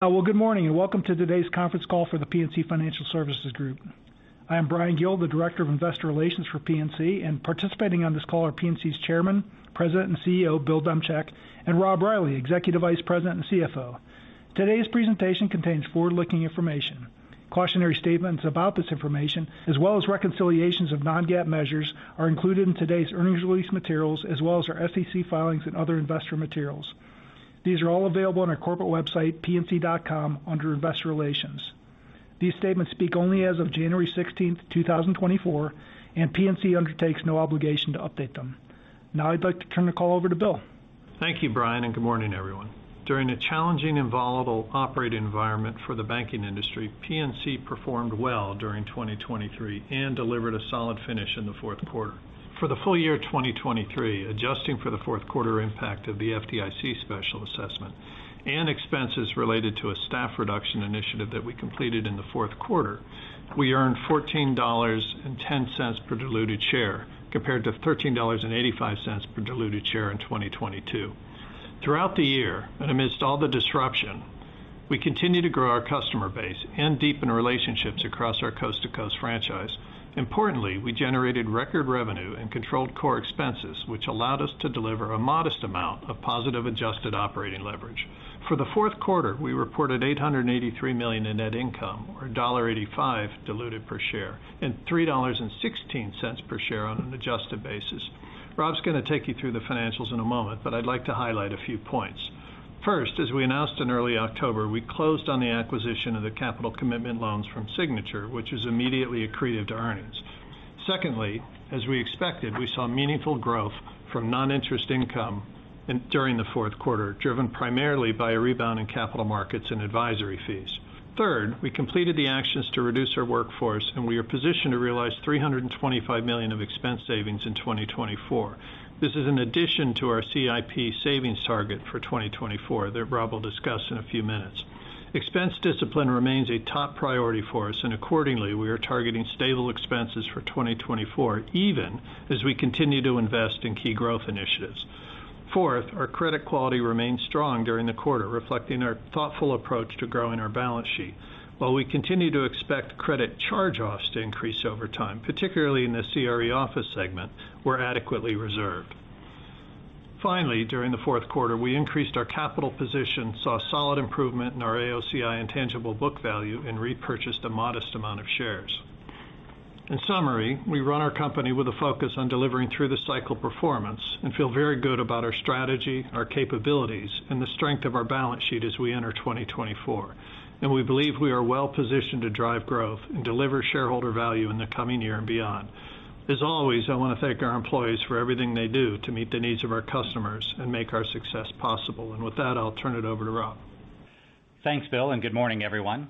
Well, good morning, and welcome to today's conference call for the PNC Financial Services Group. I am Bryan Gill, the director of investor relations for PNC, and participating on this call are PNC's chairman, president, and CEO, Bill Demchak, and Rob Reilly, executive vice president and CFO. Today's presentation contains forward-looking information. Cautionary statements about this information, as well as reconciliations of non-GAAP measures, are included in today's earnings release materials, as well as our SEC filings and other investor materials. These are all available on our corporate website, pnc.com, under Investor Relations. These statements speak only as of January sixteenth, two thousand and twenty-four, and PNC undertakes no obligation to update them. Now I'd like to turn the call over to Bill. Thank you, Bryan, and good morning, everyone. During a challenging and volatile operating environment for the banking industry, PNC performed well during 2023 and delivered a solid finish in the fourth quarter. For the full year of 2023, adjusting for the fourth quarter impact of the FDIC special assessment and expenses related to a staff reduction initiative that we completed in the fourth quarter, we earned $14.10 per diluted share, compared to $13.85 per diluted share in 2022. Throughout the year, and amidst all the disruption, we continued to grow our customer base and deepen relationships across our coast-to-coast franchise. Importantly, we generated record revenue and controlled core expenses, which allowed us to deliver a modest amount of positive adjusted operating leverage. For the fourth quarter, we reported $883 million in net income, or $1.85 diluted per share, and $3.16 per share on an adjusted basis. Rob's going to take you through the financials in a moment, but I'd like to highlight a few points. First, as we announced in early October, we closed on the acquisition of the capital commitment loans from Signature, which is immediately accretive to earnings. Secondly, as we expected, we saw meaningful growth from non-interest income during the fourth quarter, driven primarily by a rebound in capital markets and advisory fees. Third, we completed the actions to reduce our workforce, and we are positioned to realize $325 million of expense savings in 2024. This is in addition to our CIP savings target for 2024 that Rob will discuss in a few minutes. Expense discipline remains a top priority for us, and accordingly, we are targeting stable expenses for 2024, even as we continue to invest in key growth initiatives. Fourth, our credit quality remained strong during the quarter, reflecting our thoughtful approach to growing our balance sheet. While we continue to expect credit charge-offs to increase over time, particularly in the CRE Office segment, we're adequately reserved. Finally, during the fourth quarter, we increased our capital position, saw solid improvement in our AOCI and tangible book value, and repurchased a modest amount of shares. In summary, we run our company with a focus on delivering through the cycle performance and feel very good about our strategy, our capabilities, and the strength of our balance sheet as we enter 2024. And we believe we are well positioned to drive growth and deliver shareholder value in the coming year and beyond. As always, I want to thank our employees for everything they do to meet the needs of our customers and make our success possible. And with that, I'll turn it over to Rob. Thanks, Bill, and good morning, everyone.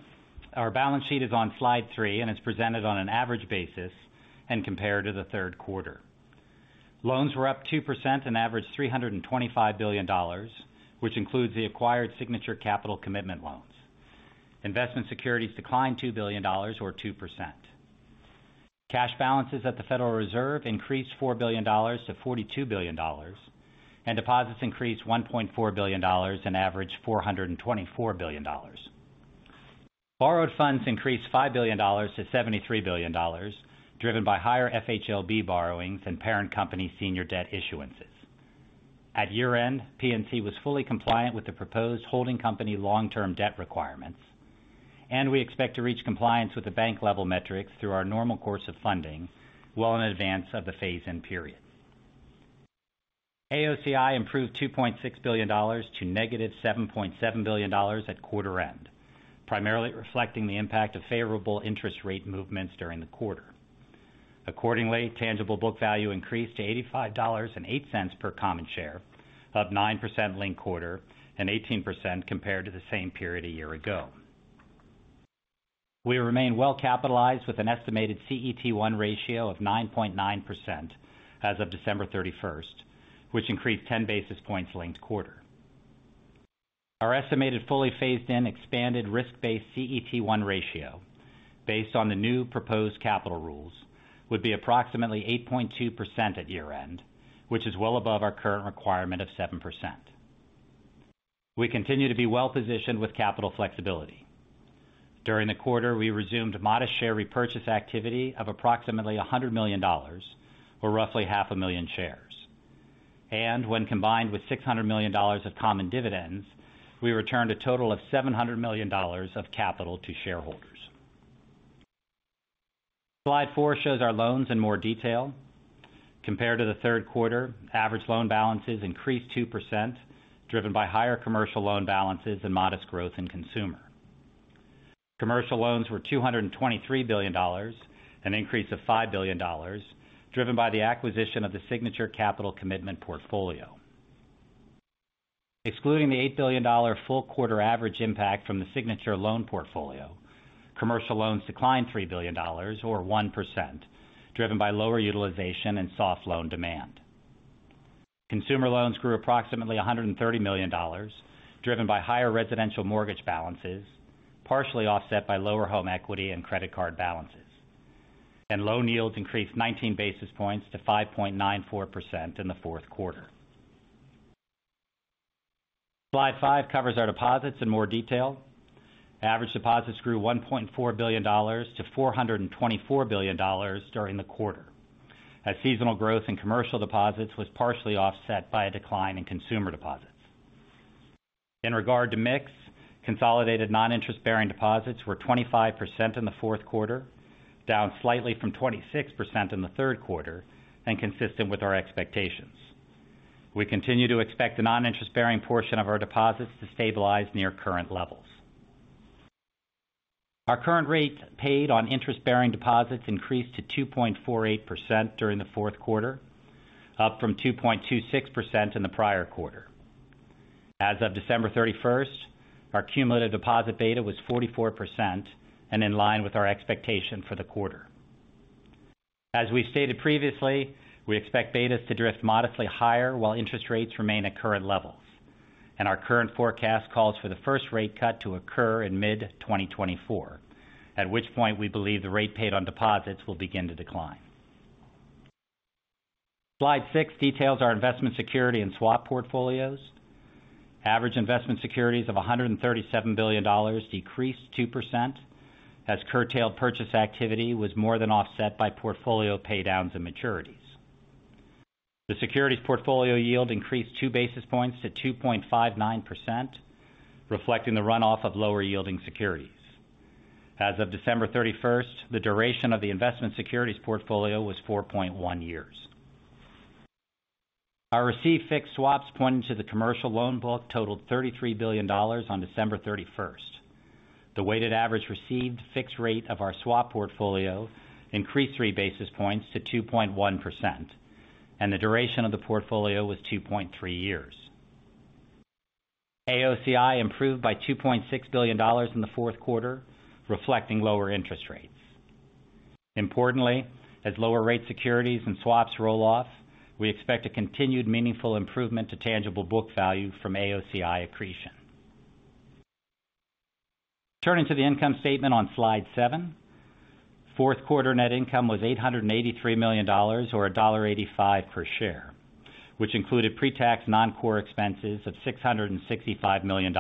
Our balance sheet is on slide three, and it's presented on an average basis and compared to the third quarter. Loans were up 2% and averaged $325 billion, which includes the acquired Signature capital commitment loans. Investment securities declined $2 billion or 2%. Cash balances at the Federal Reserve increased $4 billion-$42 billion, and deposits increased $1.4 billion and averaged $424 billion. Borrowed funds increased $5 billion-$73 billion, driven by higher FHLB borrowings and parent company senior debt issuances. At year-end, PNC was fully compliant with the proposed holding company long-term debt requirements, and we expect to reach compliance with the bank-level metrics through our normal course of funding well in advance of the phase-in period. AOCI improved $2.6 billion-$7.7 billion at quarter end, primarily reflecting the impact of favorable interest rate movements during the quarter. Accordingly, tangible book value increased to $85.08 per common share, up 9% linked quarter and 18% compared to the same period a year ago. We remain well capitalized with an estimated CET1 ratio of 9.9% as of December thirty-first, which increased 10 basis points linked quarter. Our estimated fully phased-in expanded risk-based CET1 ratio based on the new proposed capital rules, would be approximately 8.2% at year-end, which is well above our current requirement of 7%. We continue to be well-positioned with capital flexibility. During the quarter, we resumed modest share repurchase activity of approximately $100 million, or roughly 500,000 shares. When combined with $600 million of common dividends, we returned a total of $700 million of capital to shareholders. Slide four shows our loans in more detail. Compared to the third quarter, average loan balances increased 2%, driven by higher commercial loan balances and modest growth in consumer. Commercial loans were $223 billion, an increase of $5 billion, driven by the acquisition of the Signature capital commitment portfolio. Excluding the $8 billion full quarter average impact from the Signature loan portfolio, commercial loans declined $3 billion, or 1%, driven by lower utilization and soft loan demand. Consumer loans grew approximately $130 million, driven by higher residential mortgage balances, partially offset by lower home equity and credit card balances.... Loan yields increased 19 basis points to 5.94% in the fourth quarter. Slide five covers our deposits in more detail. Average deposits grew $1.4 billion-$424 billion during the quarter, as seasonal growth in commercial deposits was partially offset by a decline in consumer deposits. In regard to mix, consolidated non-interest-bearing deposits were 25% in the fourth quarter, down slightly from 26% in the third quarter, and consistent with our expectations. We continue to expect the non-interest-bearing portion of our deposits to stabilize near current levels. Our current rate paid on interest-bearing deposits increased to 2.48% during the fourth quarter, up from 2.26% in the prior quarter. As of December 31, our cumulative deposit beta was 44% and in line with our expectation for the quarter. As we stated previously, we expect betas to drift modestly higher while interest rates remain at current levels, and our current forecast calls for the first rate cut to occur in mid-2024, at which point we believe the rate paid on deposits will begin to decline. Slide six details our investment security and swap portfolios. Average investment securities of $137 billion decreased 2%, as curtailed purchase activity was more than offset by portfolio pay downs and maturities. The securities portfolio yield increased two basis points to 2.59%, reflecting the runoff of lower yielding securities. As of December 31st, the duration of the investment securities portfolio was 4.1 years. Our receive-fixed swaps pointing to the commercial loan book totaled $33 billion on December 31st. The weighted average receive-fixed rate of our swap portfolio increased 3 basis points to 2.1%, and the duration of the portfolio was 2.3 years. AOCI improved by $2.6 billion in the fourth quarter, reflecting lower interest rates. Importantly, as lower rate securities and swaps roll off, we expect a continued meaningful improvement to tangible book value from AOCI accretion. Turning to the income statement on slide seven. Fourth quarter net income was $883 million, or $1.85 per share, which included pre-tax non-core expenses of $665 million,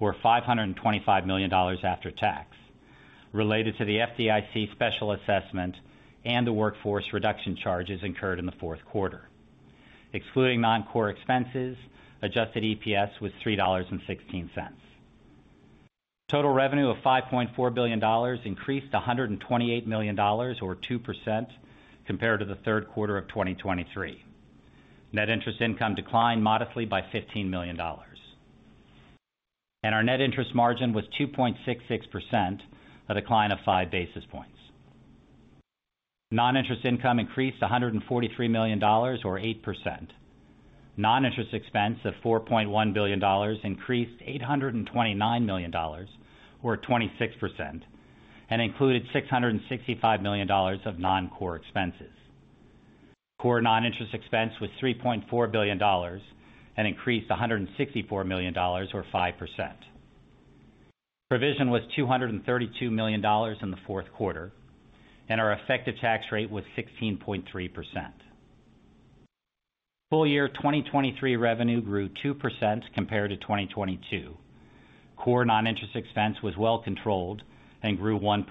or $525 million after tax, related to the FDIC special assessment and the workforce reduction charges incurred in the fourth quarter. Excluding non-core expenses, adjusted EPS was $3.16. Total revenue of $5.4 billion increased $128 million, or 2%, compared to the third quarter of 2023. Net interest income declined modestly by $15 million, and our net interest margin was 2.66%, a decline of 5 basis points. Non-interest income increased $143 million or 8%. Non-interest expense of $4.1 billion increased $829 million, or 26%, and included $665 million of non-core expenses. Core non-interest expense was $3.4 billion and increased $164 million, or 5%. Provision was $232 million in the fourth quarter, and our effective tax rate was 16.3%. Full year 2023 revenue grew 2% compared to 2022. Core non-interest expense was well controlled and grew 1%.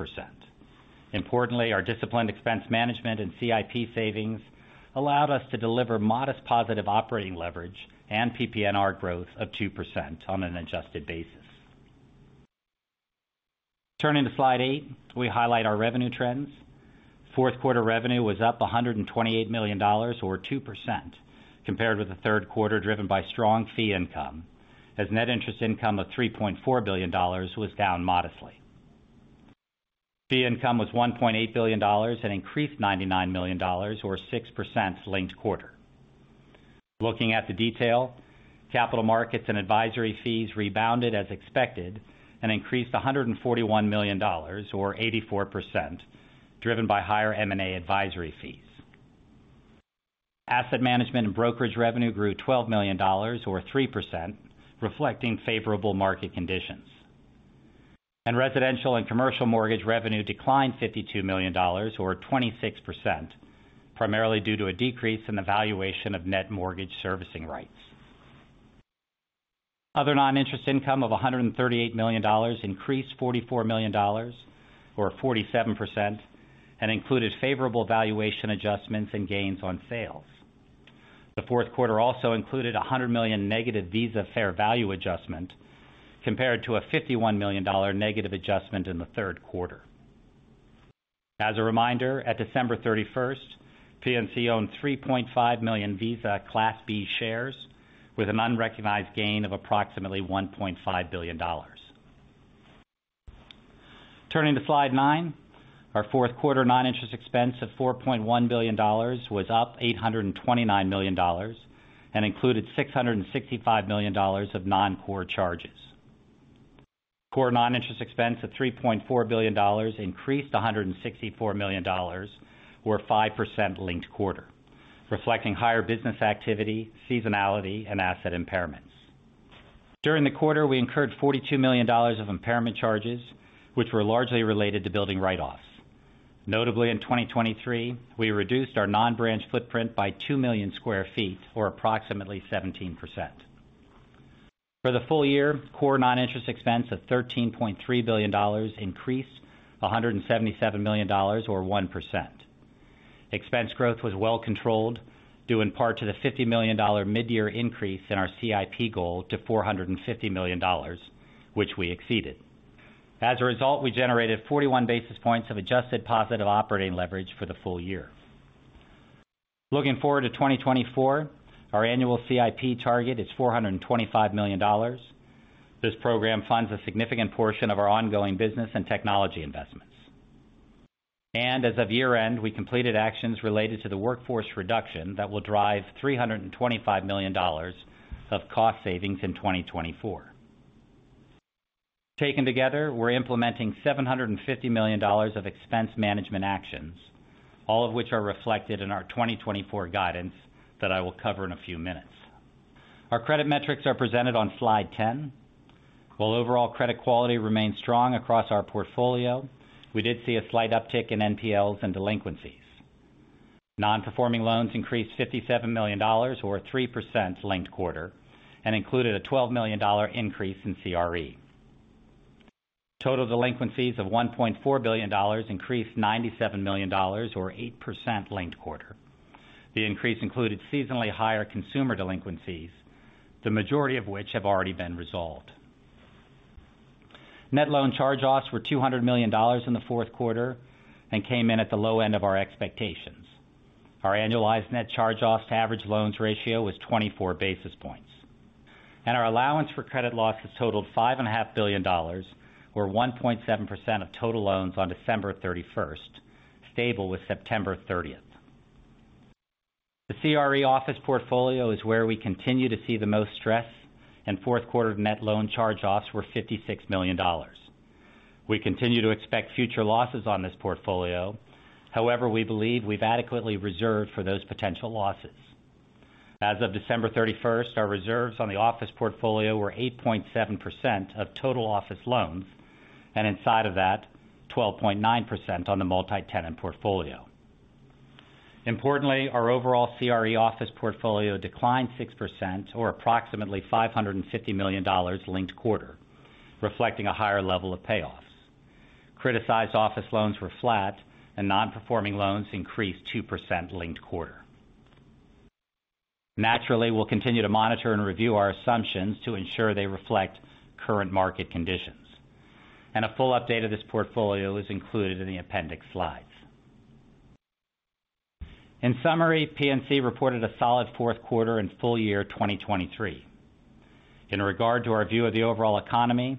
Importantly, our disciplined expense management and CIP savings allowed us to deliver modest positive operating leverage and PPNR growth of 2% on an adjusted basis. Turning to slide eight, we highlight our revenue trends. Fourth quarter revenue was up $128 million, or 2%, compared with the third quarter, driven by strong fee income, as net interest income of $3.4 billion was down modestly. Fee income was $1.8 billion and increased $99 million, or 6% linked-quarter. Looking at the detail, capital markets and advisory fees rebounded as expected and increased $141 million, or 84%, driven by higher M&A advisory fees. Asset management and brokerage revenue grew $12 million, or 3%, reflecting favorable market conditions. Residential and commercial mortgage revenue declined $52 million or 26%, primarily due to a decrease in the valuation of net mortgage servicing rights. Other non-interest income of $138 million increased $44 million, or 47%, and included favorable valuation adjustments and gains on sales. The fourth quarter also included a $100 million negative Visa fair value adjustment, compared to a $51 million negative adjustment in the third quarter. As a reminder, at December 31, PNC owned 3.5 million Visa Class B shares with an unrecognized gain of approximately $1.5 billion. Turning to slide nine. Our fourth quarter non-interest expense of $4.1 billion was up $829 million and included $665 million of non-core charges. Core non-interest expense of $3.4 billion increased $164 million, or 5% linked quarter, reflecting higher business activity, seasonality, and asset impairments.... During the quarter, we incurred $42 million of impairment charges, which were largely related to building write-offs. Notably, in 2023, we reduced our non-branch footprint by 2 million sq ft, or approximately 17%. For the full year, core non-interest expense of $13.3 billion increased $177 million or 1%. Expense growth was well controlled, due in part to the $50 million midyear increase in our CIP goal to $450 million, which we exceeded. As a result, we generated 41 basis points of adjusted positive operating leverage for the full year. Looking forward to 2024, our annual CIP target is $425 million. This program funds a significant portion of our ongoing business and technology investments. As of year-end, we completed actions related to the workforce reduction that will drive $325 million of cost savings in 2024. Taken together, we're implementing $750 million of expense management actions, all of which are reflected in our 2024 guidance that I will cover in a few minutes. Our credit metrics are presented on slide 10. While overall credit quality remains strong across our portfolio, we did see a slight uptick in NPLs and delinquencies. Non-performing loans increased $57 million or 3% linked quarter, and included a $12 million increase in CRE. Total delinquencies of $1.4 billion increased $97 million or 8% linked quarter. The increase included seasonally higher consumer delinquencies, the majority of which have already been resolved. Net loan charge-offs were $200 million in the fourth quarter and came in at the low end of our expectations. Our annualized net charge-offs to average loans ratio was 24 basis points, and our allowance for credit losses totaled $5.5 billion, or 1.7% of total loans on December 31, stable with September 30. The CRE office portfolio is where we continue to see the most stress, and fourth quarter net loan charge-offs were $56 million. We continue to expect future losses on this portfolio. However, we believe we've adequately reserved for those potential losses. As of December 31, our reserves on the office portfolio were 8.7% of total office loans, and inside of that, 12.9% on the multi-tenant portfolio. Importantly, our overall CRE office portfolio declined 6% or approximately $550 million linked quarter, reflecting a higher level of payoffs. Criticized office loans were flat, and non-performing loans increased 2% linked quarter. Naturally, we'll continue to monitor and review our assumptions to ensure they reflect current market conditions. A full update of this portfolio is included in the appendix slides. In summary, PNC reported a solid fourth quarter and full year 2023. In regard to our view of the overall economy,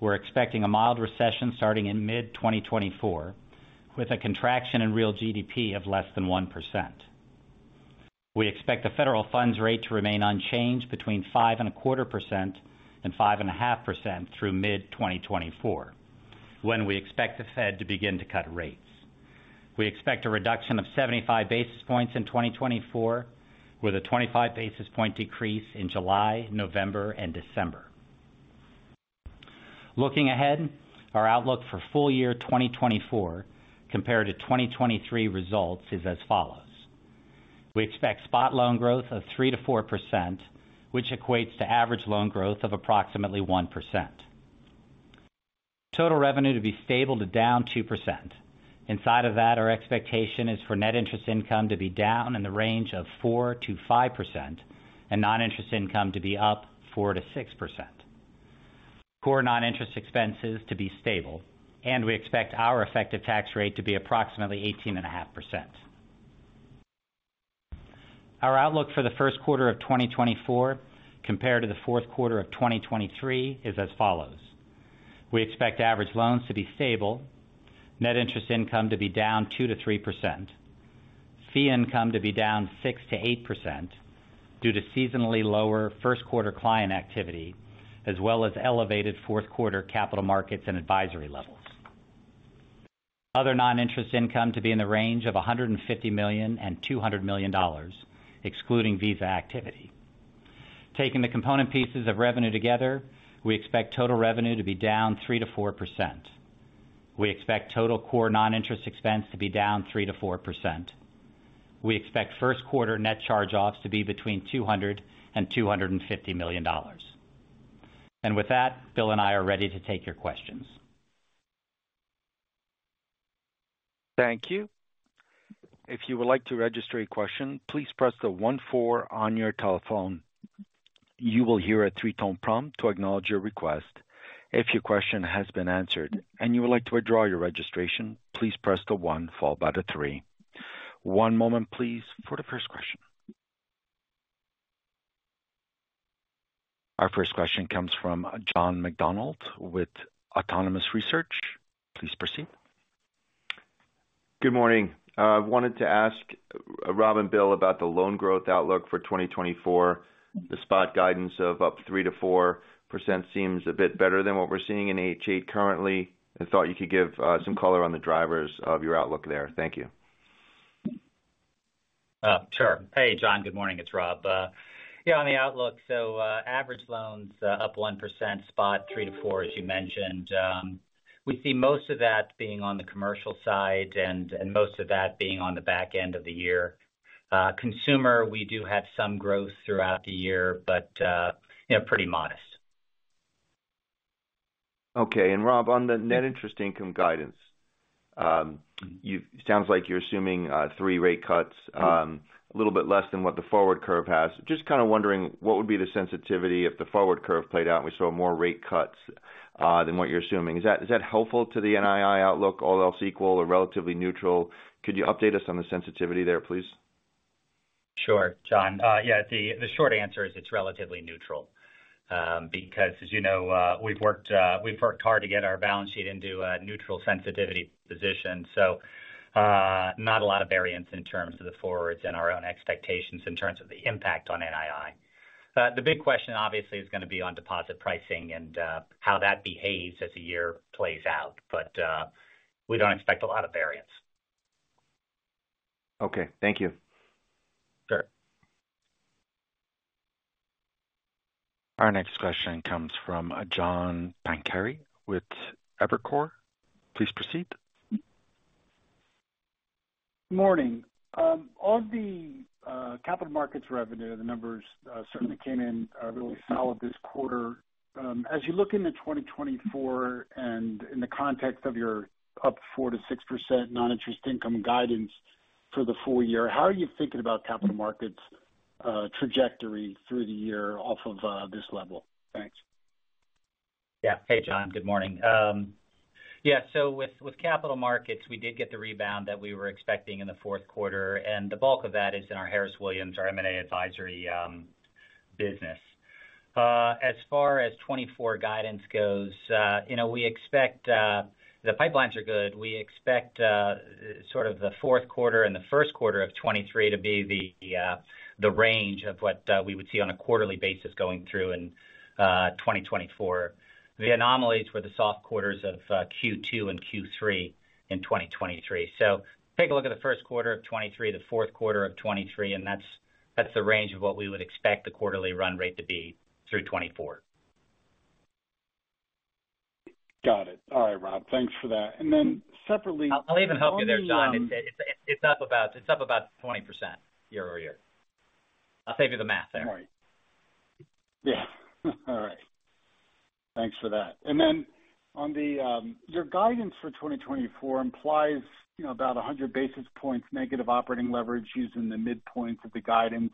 we're expecting a mild recession starting in mid-2024, with a contraction in real GDP of less than 1%. We expect the federal funds rate to remain unchanged between 5.25% and 5.5% through mid-2024, when we expect the Fed to begin to cut rates. We expect a reduction of 75 basis points in 2024, with a 25 basis point decrease in July, November, and December. Looking ahead, our outlook for full year 2024 compared to 2023 results is as follows: We expect spot loan growth of 3%-4%, which equates to average loan growth of approximately 1%. Total revenue to be stable to down 2%. Inside of that, our expectation is for net interest income to be down in the range of 4%-5% and non-interest income to be up 4%-6%. Core non-interest expenses to be stable, and we expect our effective tax rate to be approximately 18.5%. Our outlook for the first quarter of 2024 compared to the fourth quarter of 2023 is as follows: We expect average loans to be stable, net interest income to be down 2%-3%, fee income to be down 6%-8% due to seasonally lower first quarter client activity, as well as elevated fourth quarter capital markets and advisory levels. Other non-interest income to be in the range of $150 million-$200 million, excluding Visa activity. Taking the component pieces of revenue together, we expect total revenue to be down 3%-4%. We expect total core non-interest expense to be down 3%-4%. We expect first quarter net charge-offs to be between $200 million and $250 million. With that, Bill and I are ready to take your questions. Thank you. If you would like to register a question, please press the one four on your telephone. You will hear a three-tone prompt to acknowledge your request. If your question has been answered and you would like to withdraw your registration, please press the one followed by the three. One moment, please, for the first question. Our first question comes from John McDonald with Autonomous Research. Please proceed. Good morning. I wanted to ask Rob and Bill about the loan growth outlook for 2024. The spot guidance of up 3%-4% seems a bit better than what we're seeing in H.8 currently. I thought you could give some color on the drivers of your outlook there. Thank you.... Sure. Hey, John, good morning, it's Rob. Yeah, on the outlook, so, average loans up 1%, spot 3%-4%, as you mentioned. We see most of that being on the commercial side and most of that being on the back end of the year. Consumer, we do have some growth throughout the year, but, you know, pretty modest. Okay. And Rob, on the net interest income guidance, sounds like you're assuming three rate cuts, a little bit less than what the forward curve has. Just kind of wondering, what would be the sensitivity if the forward curve played out and we saw more rate cuts than what you're assuming? Is that, is that helpful to the NII outlook, all else equal or relatively neutral? Could you update us on the sensitivity there, please? Sure, John. Yeah, the short answer is it's relatively neutral. Because as you know, we've worked hard to get our balance sheet into a neutral sensitivity position. So, not a lot of variance in terms of the forwards and our own expectations in terms of the impact on NII. The big question obviously is going to be on deposit pricing and how that behaves as the year plays out, but we don't expect a lot of variance. Okay, thank you. Sure. Our next question comes from John Pancari with Evercore. Please proceed. Morning. On the capital markets revenue, the numbers certainly came in really solid this quarter. As you look into 2024 and in the context of your up 4%-6% non-interest income guidance for the full year, how are you thinking about capital markets trajectory through the year off of this level? Thanks. Yeah. Hey, John, good morning. Yeah, so with, with capital markets, we did get the rebound that we were expecting in the fourth quarter, and the bulk of that is in our Harris Williams, our M&A advisory, business. As far as 2024 guidance goes, you know, we expect, the pipelines are good. We expect, sort of the fourth quarter and the first quarter of 2023 to be the, the range of what, we would see on a quarterly basis going through in, 2024. The anomalies were the soft quarters of, Q2 and Q3 in 2023. So take a look at the first quarter of 2023, the fourth quarter of 2023, and that's, that's the range of what we would expect the quarterly run rate to be through 2024. Got it. All right, Rob, thanks for that. And then separately- I'll even help you there, John. Um- It's up about 20% year-over-year. I'll save you the math there. Right. Yeah. All right. Thanks for that. And then on the, your guidance for 2024 implies, you know, about 100 basis points, negative operating leverage using the midpoints of the guidance,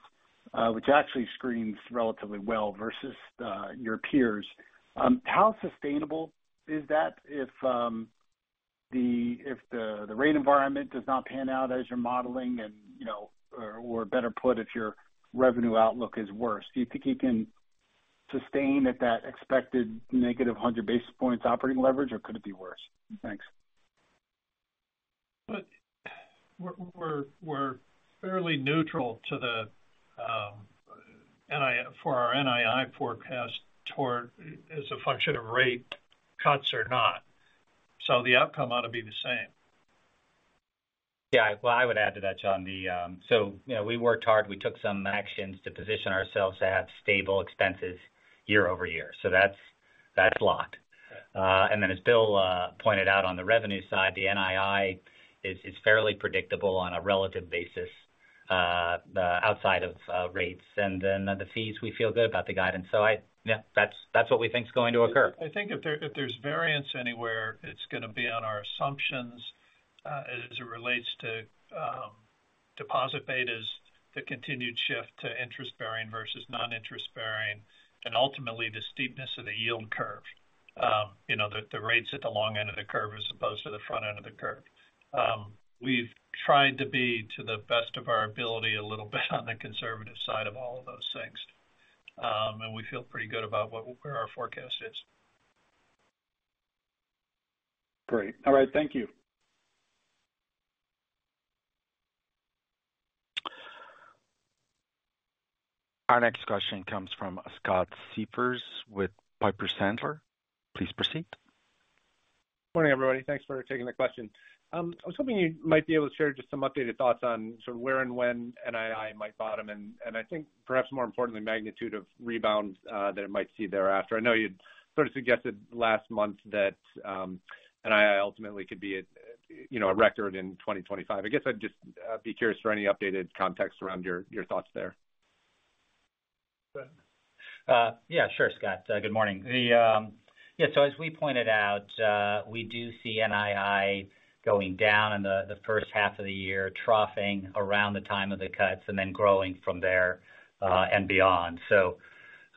which actually screens relatively well versus, your peers. How sustainable is that if, the, if the, the rate environment does not pan out as you're modeling and, you know, or, or better put, if your revenue outlook is worse, do you think you can sustain at that expected negative 100 basis points operating leverage, or could it be worse? Thanks. Look, we're fairly neutral to the NII for our NII forecast toward as a function of rate cuts or not. So the outcome ought to be the same. Yeah. Well, I would add to that, John, so you know, we worked hard. We took some actions to position ourselves to have stable expenses year-over-year. So that's, that's locked. And then as Bill pointed out on the revenue side, the NII is, is fairly predictable on a relative basis, outside of rates and then the fees, we feel good about the guidance. So yeah, that's, that's what we think is going to occur. I think if there's variance anywhere, it's going to be on our assumptions as it relates to deposit betas, the continued shift to interest-bearing versus non-interest-bearing, and ultimately the steepness of the yield curve. You know, the rates at the long end of the curve as opposed to the front end of the curve. We've tried to be, to the best of our ability, a little bit on the conservative side of all of those things, and we feel pretty good about where our forecast is. Great. All right. Thank you. Our next question comes from Scott Siefers with Piper Sandler. Please proceed. Morning, everybody. Thanks for taking the question. I was hoping you might be able to share just some updated thoughts on sort of where and when NII might bottom in. I think perhaps more importantly, magnitude of rebounds that it might see thereafter. I know you'd sort of suggested last month that NII ultimately could be at, you know, a record in 2025. I guess I'd just be curious for any updated context around your, your thoughts there. Yeah, sure, Scott. Good morning. The... Yeah, so as we pointed out, we do see NII going down in the first half of the year, troughing around the time of the cuts and then growing from there and beyond. So,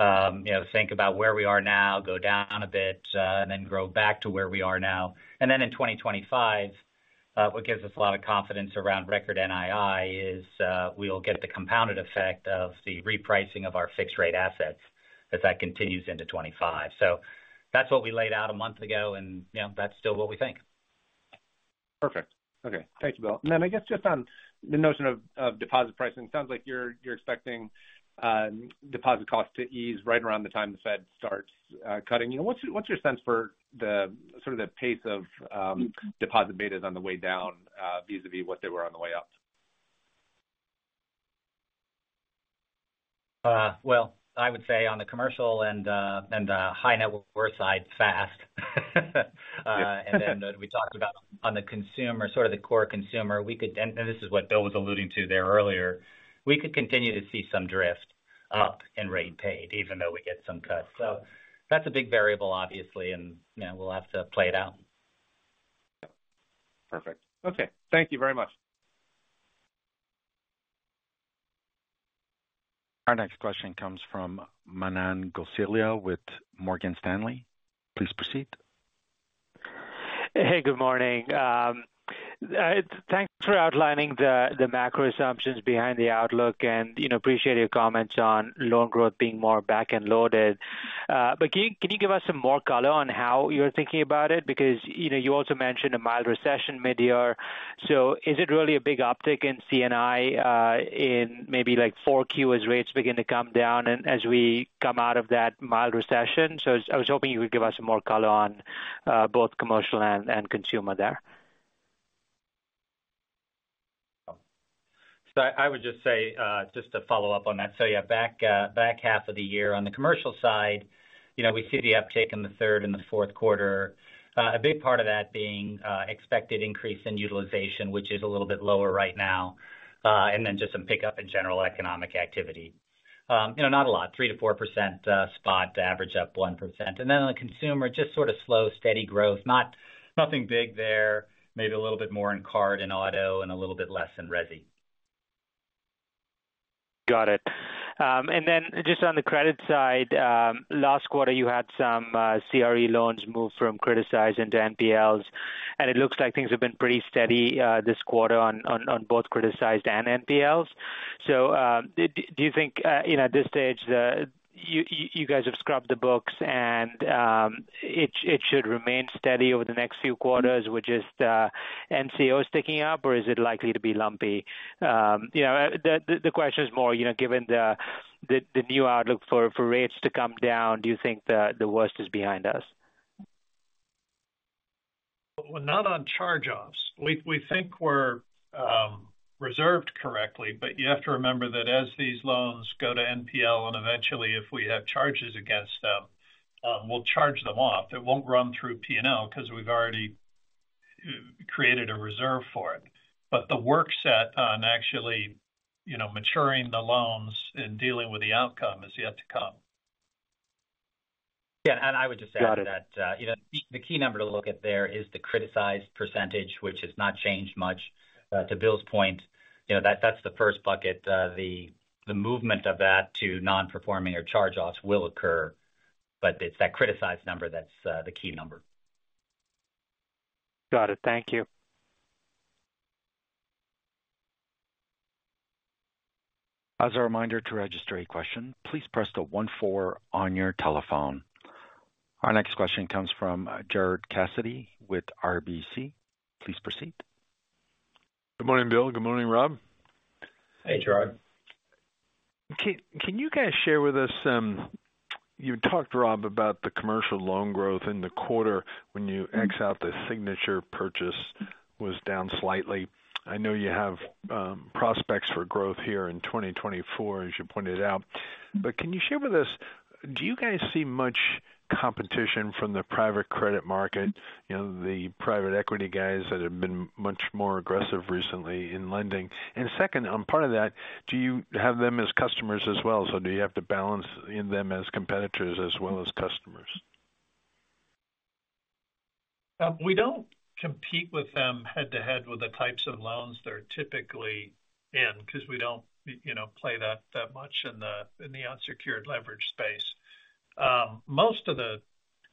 you know, think about where we are now, go down a bit, and then grow back to where we are now. And then in 2025, what gives us a lot of confidence around record NII is, we'll get the compounded effect of the repricing of our fixed rate assets as that continues into 2025. So that's what we laid out a month ago, and, you know, that's still what we think. Perfect. Okay. Thank you, Bill. And then I guess just on the notion of, of deposit pricing, it sounds like you're, you're expecting, deposit costs to ease right around the time the Fed starts, cutting. You know, what's, what's your sense for the, sort of the pace of, deposit betas on the way down, vis-a-vis what they were on the way up? ...Well, I would say on the commercial and high net worth side, fast. And then we talked about on the consumer, sort of the core consumer, we could—and this is what Bill was alluding to there earlier—we could continue to see some drift up in rate paid even though we get some cuts. So that's a big variable, obviously, and, you know, we'll have to play it out. Yep, perfect. Okay. Thank you very much. Our next question comes from Manan Gosalia with Morgan Stanley. Please proceed. Hey, good morning. Thanks for outlining the macro assumptions behind the outlook, and, you know, appreciate your comments on loan growth being more back-end loaded. But can you give us some more color on how you're thinking about it? Because, you know, you also mentioned a mild recession midyear. So is it really a big uptick in C&I in maybe like 4Q as rates begin to come down and as we come out of that mild recession? So I was hoping you would give us some more color on both commercial and consumer there. So I would just say, just to follow up on that. So yeah, back half of the year on the commercial side, you know, we see the uptick in the third and the fourth quarter. A big part of that being expected increase in utilization, which is a little bit lower right now, and then just some pickup in general economic activity. You know, not a lot, 3%-4%, spot to average up 1%. And then on the consumer, just sort of slow, steady growth. Nothing big there. Maybe a little bit more in card and auto and a little bit less in resi. Got it. And then just on the credit side, last quarter you had some CRE loans move from criticized into NPLs, and it looks like things have been pretty steady this quarter on both criticized and NPLs. So, do you think, you know, at this stage, the-- you guys have scrubbed the books and it should remain steady over the next few quarters, which is the NCO sticking up, or is it likely to be lumpy? You know, the question is more, you know, given the new outlook for rates to come down, do you think the worst is behind us? Well, not on charge-offs. We think we're reserved correctly, but you have to remember that as these loans go to NPL and eventually if we have charges against them, we'll charge them off. It won't run through P&L because we've already created a reserve for it. But the work set on actually, you know, maturing the loans and dealing with the outcome is yet to come. Yeah, and I would just add to that- Got it. You know, the key number to look at there is the criticized percentage, which has not changed much. To Bill's point, you know, that's the first bucket. The movement of that to non-performing or charge-offs will occur, but it's that criticized number that's the key number. Got it. Thank you. As a reminder to register a question, please press the one, four on your telephone. Our next question comes from Gerard Cassidy with RBC. Please proceed. Good morning, Bill. Good morning, Rob. Hey, Gerard. Can you guys share with us? You talked, Rob, about the commercial loan growth in the quarter when you X out the Signature purchase was down slightly. I know you have prospects for growth here in 2024, as you pointed out. But can you share with us, do you guys see much competition from the private credit market, you know, the private equity guys that have been much more aggressive recently in lending? And second, on part of that, do you have them as customers as well? So do you have to balance in them as competitors as well as customers? We don't compete with them head-to-head with the types of loans they're typically in, because we don't, you know, play that, that much in the, in the unsecured leverage space. Most of the,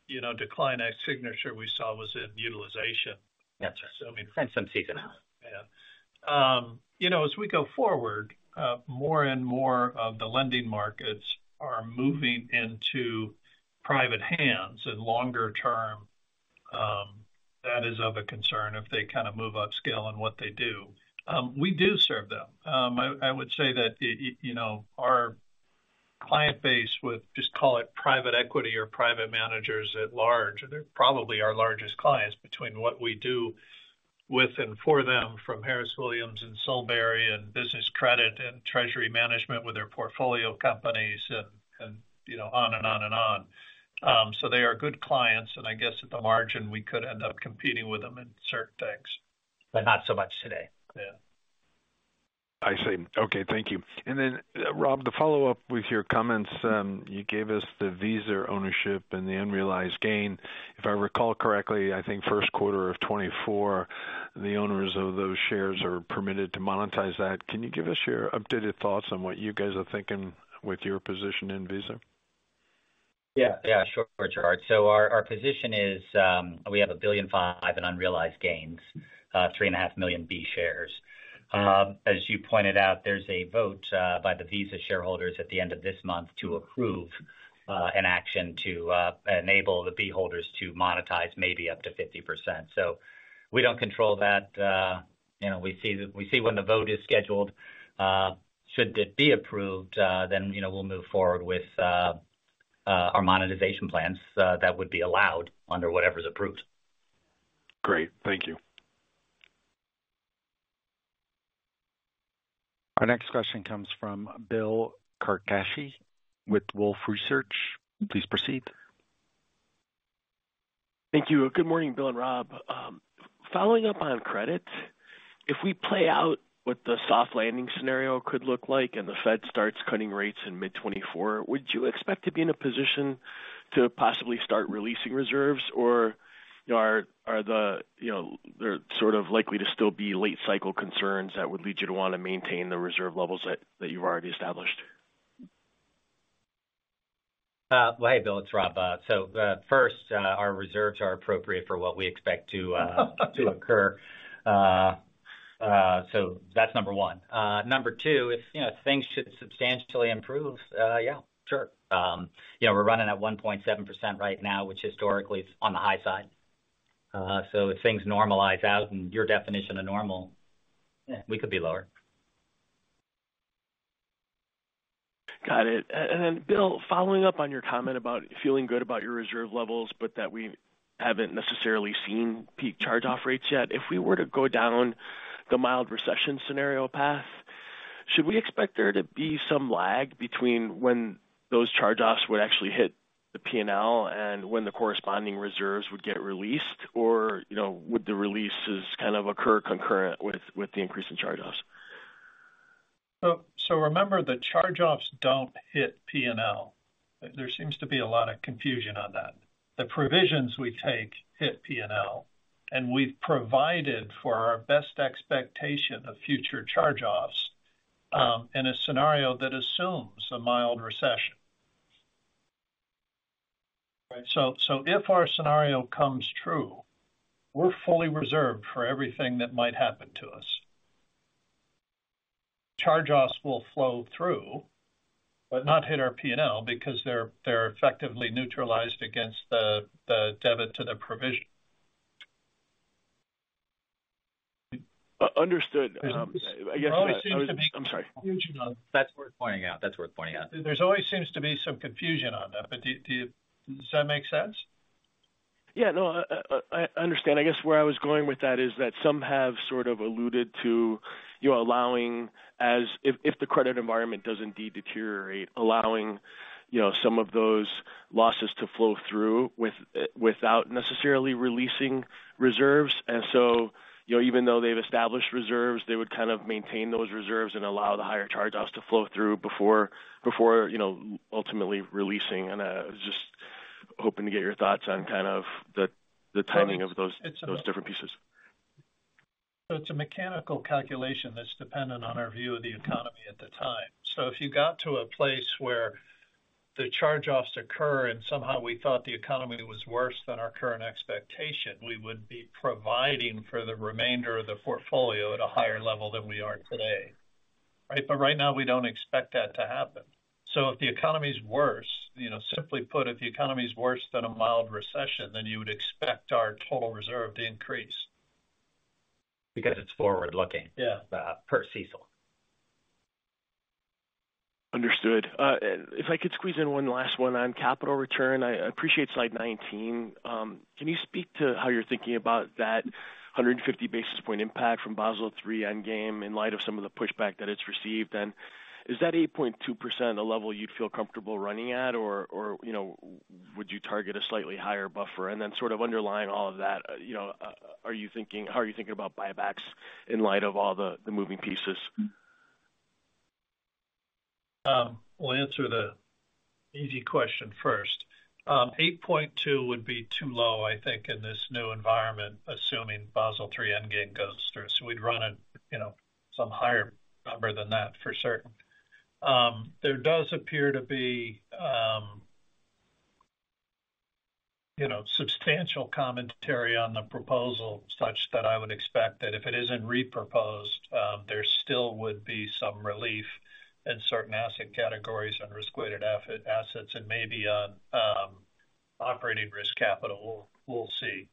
you know, decline at Signature we saw was in utilization. Yes. So, I mean- And some seasonal. Yeah. You know, as we go forward, more and more of the lending markets are moving into private hands and longer term, that is of a concern if they kind of move upscale in what they do. We do serve them. I, I would say that, you, you know, our client base would just call it private equity or private managers at large. They're probably our largest clients between what we do with and for them, from Harris Williams and Solebury and Business Credit and Treasury Management with their portfolio companies and, and, you know, on and on and on. So they are good clients, and I guess at the margin, we could end up competing with them in certain things. But not so much today. Yeah. I see. Okay, thank you. And then, Rob, to follow up with your comments, you gave us the Visa ownership and the unrealized gain. If I recall correctly, I think first quarter of 2024, the owners of those shares are permitted to monetize that. Can you give us your updated thoughts on what you guys are thinking with your position in Visa? Yeah. Yeah, sure, Gerard. So our position is, we have $1.5 billion in unrealized gains, 3.5 million B shares. As you pointed out, there's a vote by the Visa shareholders at the end of this month to approve an action to enable the B holders to monetize maybe up to 50%. So we don't control that. You know, we see when the vote is scheduled. Should it be approved, then, you know, we'll move forward with our monetization plans that would be allowed under whatever is approved. Great. Thank you. Our next question comes from Bill Carcache with Wolfe Research. Please proceed. Thank you. Good morning, Bill and Rob. Following up on credit, if we play out what the soft landing scenario could look like and the Fed starts cutting rates in mid-2024, would you expect to be in a position to possibly start releasing reserves? Or are there, you know, sort of likely to still be late cycle concerns that would lead you to want to maintain the reserve levels that you've already established? Well, hey, Bill, it's Rob. So, first, our reserves are appropriate for what we expect to occur. So that's number one. Number two, if, you know, things should substantially improve, yeah, sure. You know, we're running at 1.7% right now, which historically is on the high side. So if things normalize out in your definition of normal, yeah, we could be lower. Got it. And then, Bill, following up on your comment about feeling good about your reserve levels, but that we haven't necessarily seen peak charge-off rates yet. If we were to go down the mild recession scenario path, should we expect there to be some lag between when those charge-offs would actually hit the P&L and when the corresponding reserves would get released? Or, you know, would the releases kind of occur concurrent with the increase in charge-offs? So remember, the charge-offs don't hit P&L. There seems to be a lot of confusion on that. The provisions we take hit P&L, and we've provided for our best expectation of future charge-offs in a scenario that assumes a mild recession. Right. So if our scenario comes true, we're fully reserved for everything that might happen to us. Charge-offs will flow through, but not hit our P&L because they're effectively neutralized against the debit to the provision. Understood. I guess... I'm sorry. That's worth pointing out. That's worth pointing out. There's always seems to be some confusion on that, but do you... Does that make sense? Yeah, no, I understand. I guess where I was going with that is that some have sort of alluded to you allowing as if, if the credit environment does indeed deteriorate, allowing, you know, some of those losses to flow through without necessarily releasing reserves. And so, you know, even though they've established reserves, they would kind of maintain those reserves and allow the higher charge-offs to flow through before, you know, ultimately releasing. And, I was just hoping to get your thoughts on kind of the timing of those different pieces. So it's a mechanical calculation that's dependent on our view of the economy at the time. So if you got to a place where the charge-offs occur and somehow we thought the economy was worse than our current expectation, we would be providing for the remainder of the portfolio at a higher level than we are today. Right? But right now, we don't expect that to happen. So if the economy's worse, you know, simply put, if the economy is worse than a mild recession, then you would expect our total reserve to increase. Because it's forward-looking- Yeah. per CECL. Understood. If I could squeeze in one last one on capital return. I appreciate slide 19. Can you speak to how you're thinking about that 150 basis point impact from Basel III Endgame, in light of some of the pushback that it's received? And is that 8.2% a level you'd feel comfortable running at, or, or, you know, would you target a slightly higher buffer? And then sort of underlying all of that, you know, are you thinking, how are you thinking about buybacks in light of all the, the moving pieces? We'll answer the easy question first. Eight point two would be too low, I think, in this new environment, assuming Basel III Endgame goes through. So we'd run a, you know, some higher number than that for certain. There does appear to be, you know, substantial commentary on the proposal, such that I would expect that if it isn't reproposed, there still would be some relief in certain asset categories and risk-weighted assets and maybe on operating risk capital. We'll see.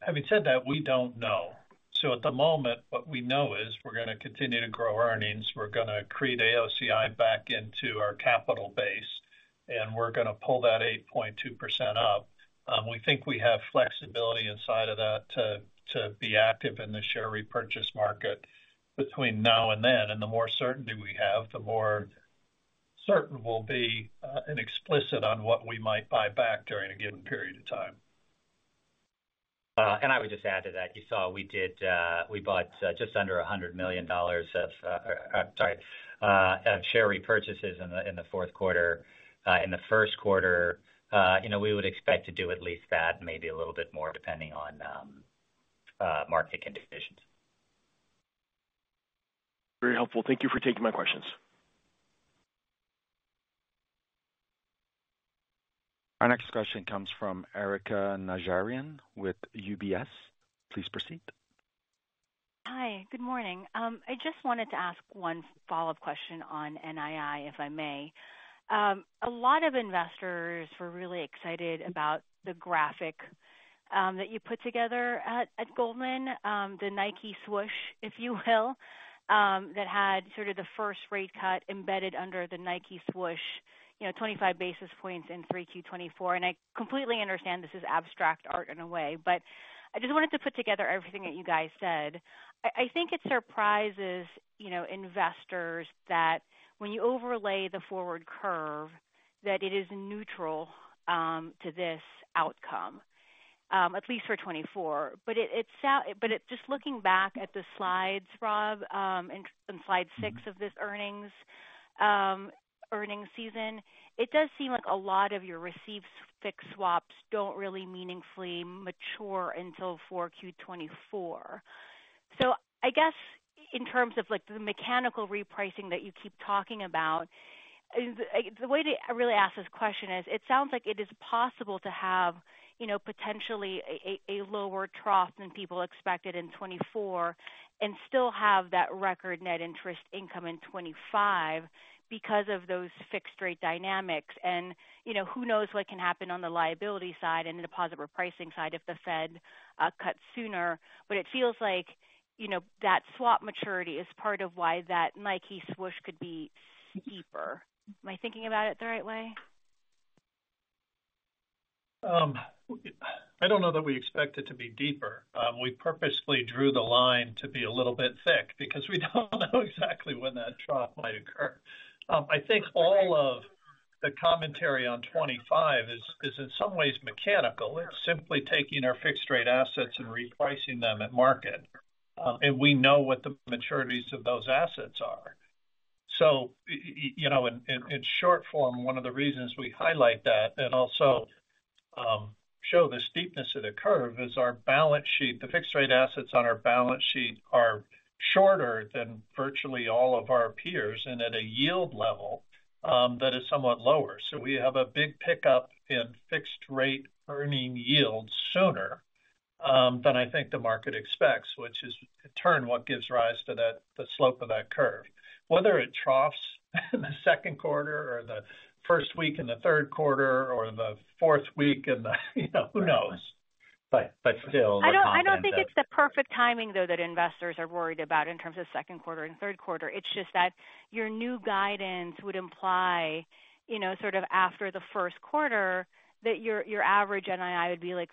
Having said that, we don't know. So at the moment, what we know is we're going to continue to grow earnings, we're going to create AOCI back into our capital base, and we're going to pull that 8.2% up. We think we have flexibility inside of that to be active in the share repurchase market between now and then. The more certainty we have, the more certain we'll be, and explicit on what we might buy back during a given period of time. I would just add to that. You saw we did, we bought just under $100 million of, sorry, of share repurchases in the fourth quarter. In the first quarter, you know, we would expect to do at least that, maybe a little bit more, depending on market conditions. Very helpful. Thank you for taking my questions. Our next question comes from Erika Najarian with UBS. Please proceed. Hi, good morning. I just wanted to ask one follow-up question on NII, if I may. A lot of investors were really excited about the graphic that you put together at Goldman, the Nike Swoosh, if you will, that had sort of the first rate cut embedded under the Nike Swoosh. You know, 25 basis points in 3Q 2024, and I completely understand this is abstract art in a way, but I just wanted to put together everything that you guys said. I think it surprises, you know, investors that when you overlay the forward curve, that it is neutral to this outcome, at least for 2024. But it just looking back at the slides, Rob, on slide six of this earnings season, it does seem like a lot of your receive-fixed swaps don't really meaningfully mature until Q4 2024. So I guess in terms of, like, the mechanical repricing that you keep talking about, the way to I really ask this question is, it sounds like it is possible to have, you know, potentially a lower trough than people expected in 2024 and still have that record net interest income in 2025 because of those fixed rate dynamics. And, you know, who knows what can happen on the liability side and the deposit repricing side if the Fed cuts sooner. But it feels like, you know, that swap maturity is part of why that Nike Swoosh could be steeper. Am I thinking about it the right way? I don't know that we expect it to be deeper. We purposely drew the line to be a little bit thick because we don't know exactly when that trough might occur. I think all of the commentary on 25 is in some ways mechanical. It's simply taking our fixed rate assets and repricing them at market, and we know what the maturities of those assets are. So you know, in short form, one of the reasons we highlight that and also show the steepness of the curve is our balance sheet. The fixed rate assets on our balance sheet are shorter than virtually all of our peers and at a yield level that is somewhat lower. So we have a big pickup in fixed rate earning yields sooner than I think the market expects, which is, in turn, what gives rise to that, the slope of that curve. Whether it troughs in the second quarter or the first week in the third quarter, or the fourth week in the, you know, who knows? But still- I don't, I don't think it's the perfect timing, though, that investors are worried about in terms of second quarter and third quarter. It's just that your new guidance would imply, you know, sort of after the first quarter, that your, your average NII would be like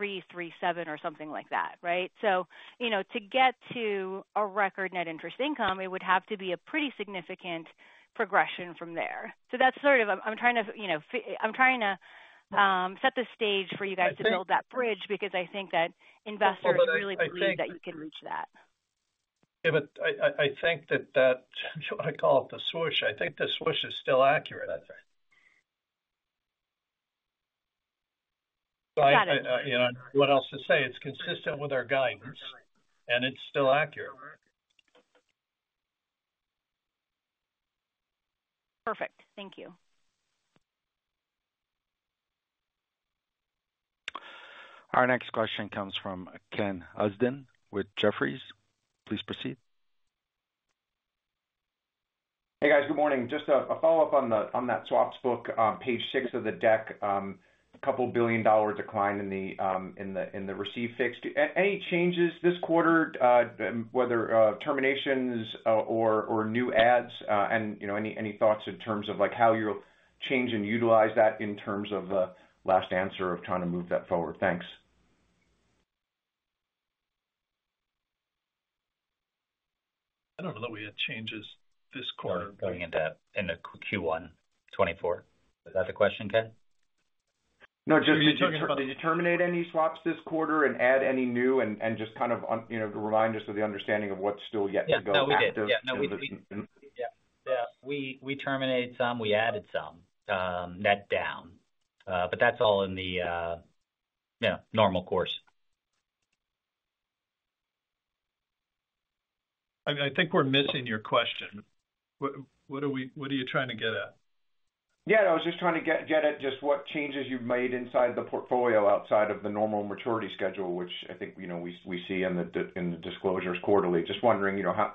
$337 or something like that, right? So, you know, to get to a record net interest income, it would have to be a pretty significant progression from there. So that's sort of... I'm trying to, you know, set the stage for you guys to build that bridge, because I think that investors really believe that you can reach that. Yeah, but I think that you want to call it the swoosh, I think the swoosh is still accurate, I think. Got it. I, you know, what else to say? It's consistent with our guidance, and it's still accurate. Perfect. Thank you. Our next question comes from Ken Usdin with Jefferies. Please proceed. Hey, guys. Good morning. Just a follow-up on that swaps book on page six of the deck. A $2 billion dollar decline in the received fixed. Any changes this quarter, whether terminations or new adds, and, you know, any thoughts in terms of, like, how you'll change and utilize that in terms of the last answer of trying to move that forward? Thanks. I don't know that we had changes this quarter. Going into Q1 2024. Is that the question, Ken? No, just did you terminate any swaps this quarter and add any new? And just kind of, you know, remind us of the understanding of what's still yet to go active? Yeah, no, we did. Yeah. Yeah, we terminated some, we added some, net down. But that's all in the, yeah, normal course. I think we're missing your question. What are you trying to get at? Yeah, I was just trying to get at just what changes you've made inside the portfolio outside of the normal maturity schedule, which I think, you know, we see in the disclosures quarterly. Just wondering, you know, how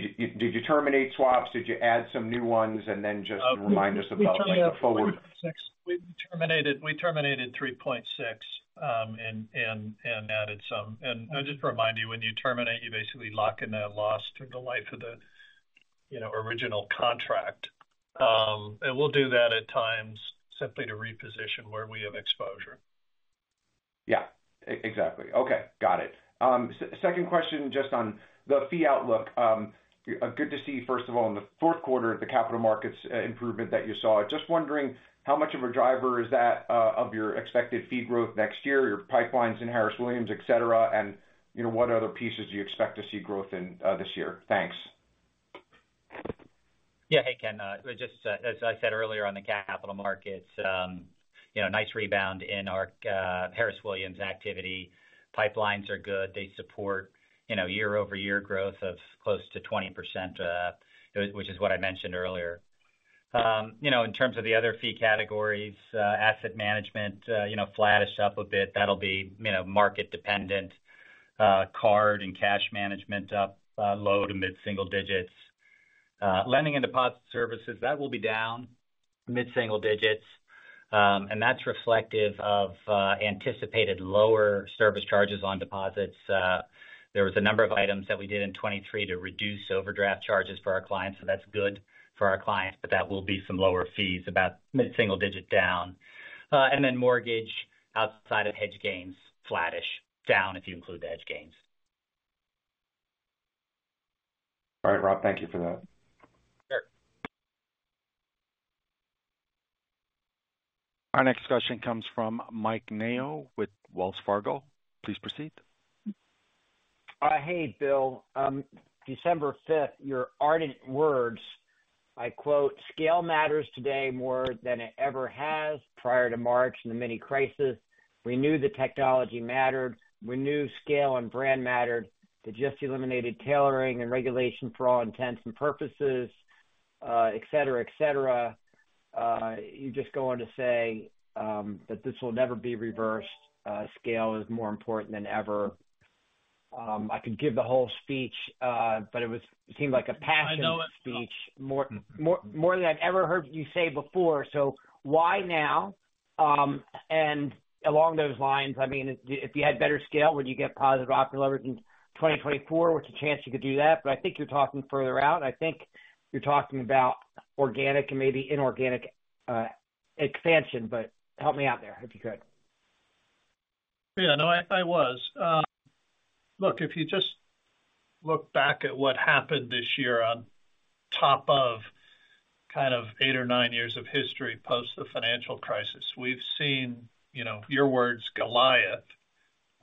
did you terminate swaps? Did you add some new ones? And then just remind us about, like, the forward. We terminated $3.6 and added some. And just to remind you, when you terminate, you basically lock in that loss through the life of the, you know, original contract. And we'll do that at times simply to reposition where we have exposure. Yeah, exactly. Okay, got it. Second question, just on the fee outlook. Good to see, first of all, in the fourth quarter, the capital markets improvement that you saw. Just wondering, how much of a driver is that of your expected fee growth next year, your pipelines in Harris Williams, et cetera, and, you know, what other pieces do you expect to see growth in this year? Thanks. Yeah. Hey, Ken, just as I said earlier on the capital markets, you know, nice rebound in our Harris Williams activity. Pipelines are good. They support, you know, year-over-year growth of close to 20%, which is what I mentioned earlier. You know, in terms of the other fee categories, asset management, you know, flattish up a bit. That'll be, you know, market dependent, card and cash management up, low- to mid-single digits. Lending and deposit services, that will be down mid-single digits. And that's reflective of anticipated lower service charges on deposits. There was a number of items that we did in 2023 to reduce overdraft charges for our clients, so that's good for our clients, but that will be some lower fees, about mid-single digit down. And then mortgage, outside of hedge gains, flattish. Down, if you include the hedge gains. All right, Rob, thank you for that. Sure. Our next question comes from Mike Mayo with Wells Fargo. Please proceed. Hey, Bill. December fifth, your ardent words, I quote, "Scale matters today more than it ever has prior to March and the mini crisis. We knew the technology mattered. We knew scale and brand mattered. They just eliminated tailoring and regulation for all intents and purposes," et cetera, et cetera. You just go on to say that this will never be reversed. Scale is more important than ever. I could give the whole speech, but it seemed like a passionate- I know it. more, more, more than I've ever heard you say before. So why now? And along those lines, I mean, if you had better scale, would you get positive ROE levers in 2024? What's the chance you could do that? But I think you're talking further out. I think you're talking about organic and maybe inorganic expansion, but help me out there, if you could. Yeah, no, I, I was. Look, if you just look back at what happened this year on top of kind of eight or nine years of history post the financial crisis, we've seen, you know, your words, Goliath,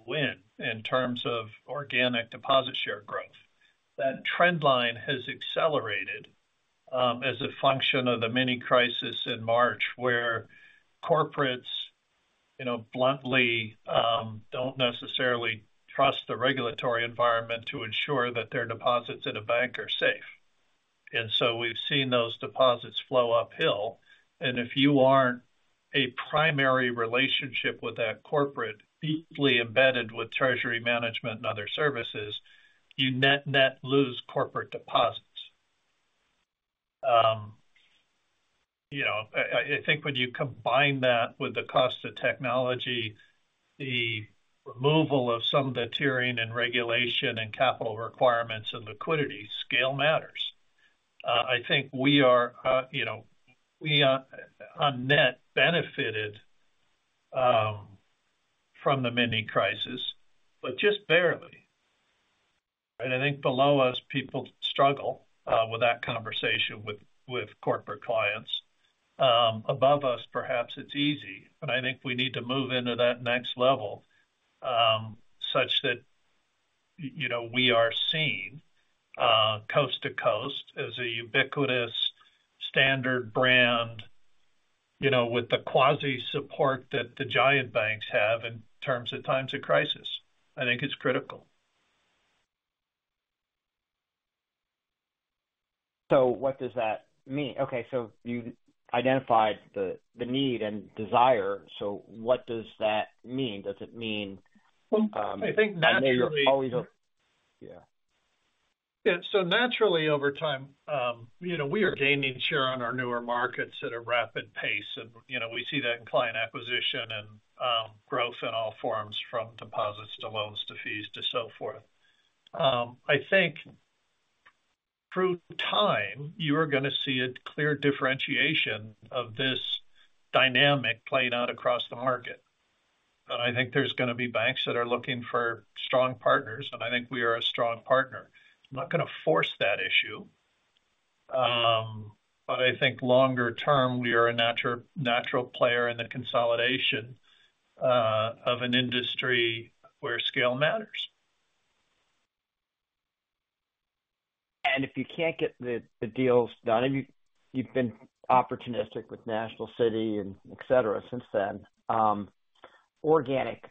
win in terms of organic deposit share growth. That trend line has accelerated as a function of the mini crisis in March, where corporates, you know, bluntly, don't necessarily trust the regulatory environment to ensure that their deposits at a bank are safe. And so we've seen those deposits flow uphill. And if you aren't a primary relationship with that corporate, deeply embedded with treasury management and other services, you net-net lose corporate deposits. You know, I, I think when you combine that with the cost of technology, the removal of some of the tiering and regulation and capital requirements and liquidity, scale matters. I think we are, you know, we on net benefited from the mini crisis, but just barely. I think below us, people struggle with that conversation with corporate clients. Above us, perhaps it's easy, but I think we need to move into that next level, such that you know, we are seen coast to coast as a ubiquitous standard brand, you know, with the quasi support that the giant banks have in terms of times of crisis. I think it's critical. So what does that mean? Okay, so you identified the need and desire, so what does that mean? Does it mean, I think naturally- Yeah. Yeah, so naturally, over time, you know, we are gaining share on our newer markets at a rapid pace. And, you know, we see that in client acquisition and, growth in all forms, from deposits to loans to fees to so forth. I think through time, you are going to see a clear differentiation of this dynamic playing out across the market. And I think there's going to be banks that are looking for strong partners, and I think we are a strong partner. I'm not going to force that issue. But I think longer term, we are a natural, natural player in the consolidation, of an industry where scale matters. And if you can't get the deals done, and you've been opportunistic with National City and et cetera since then. Organic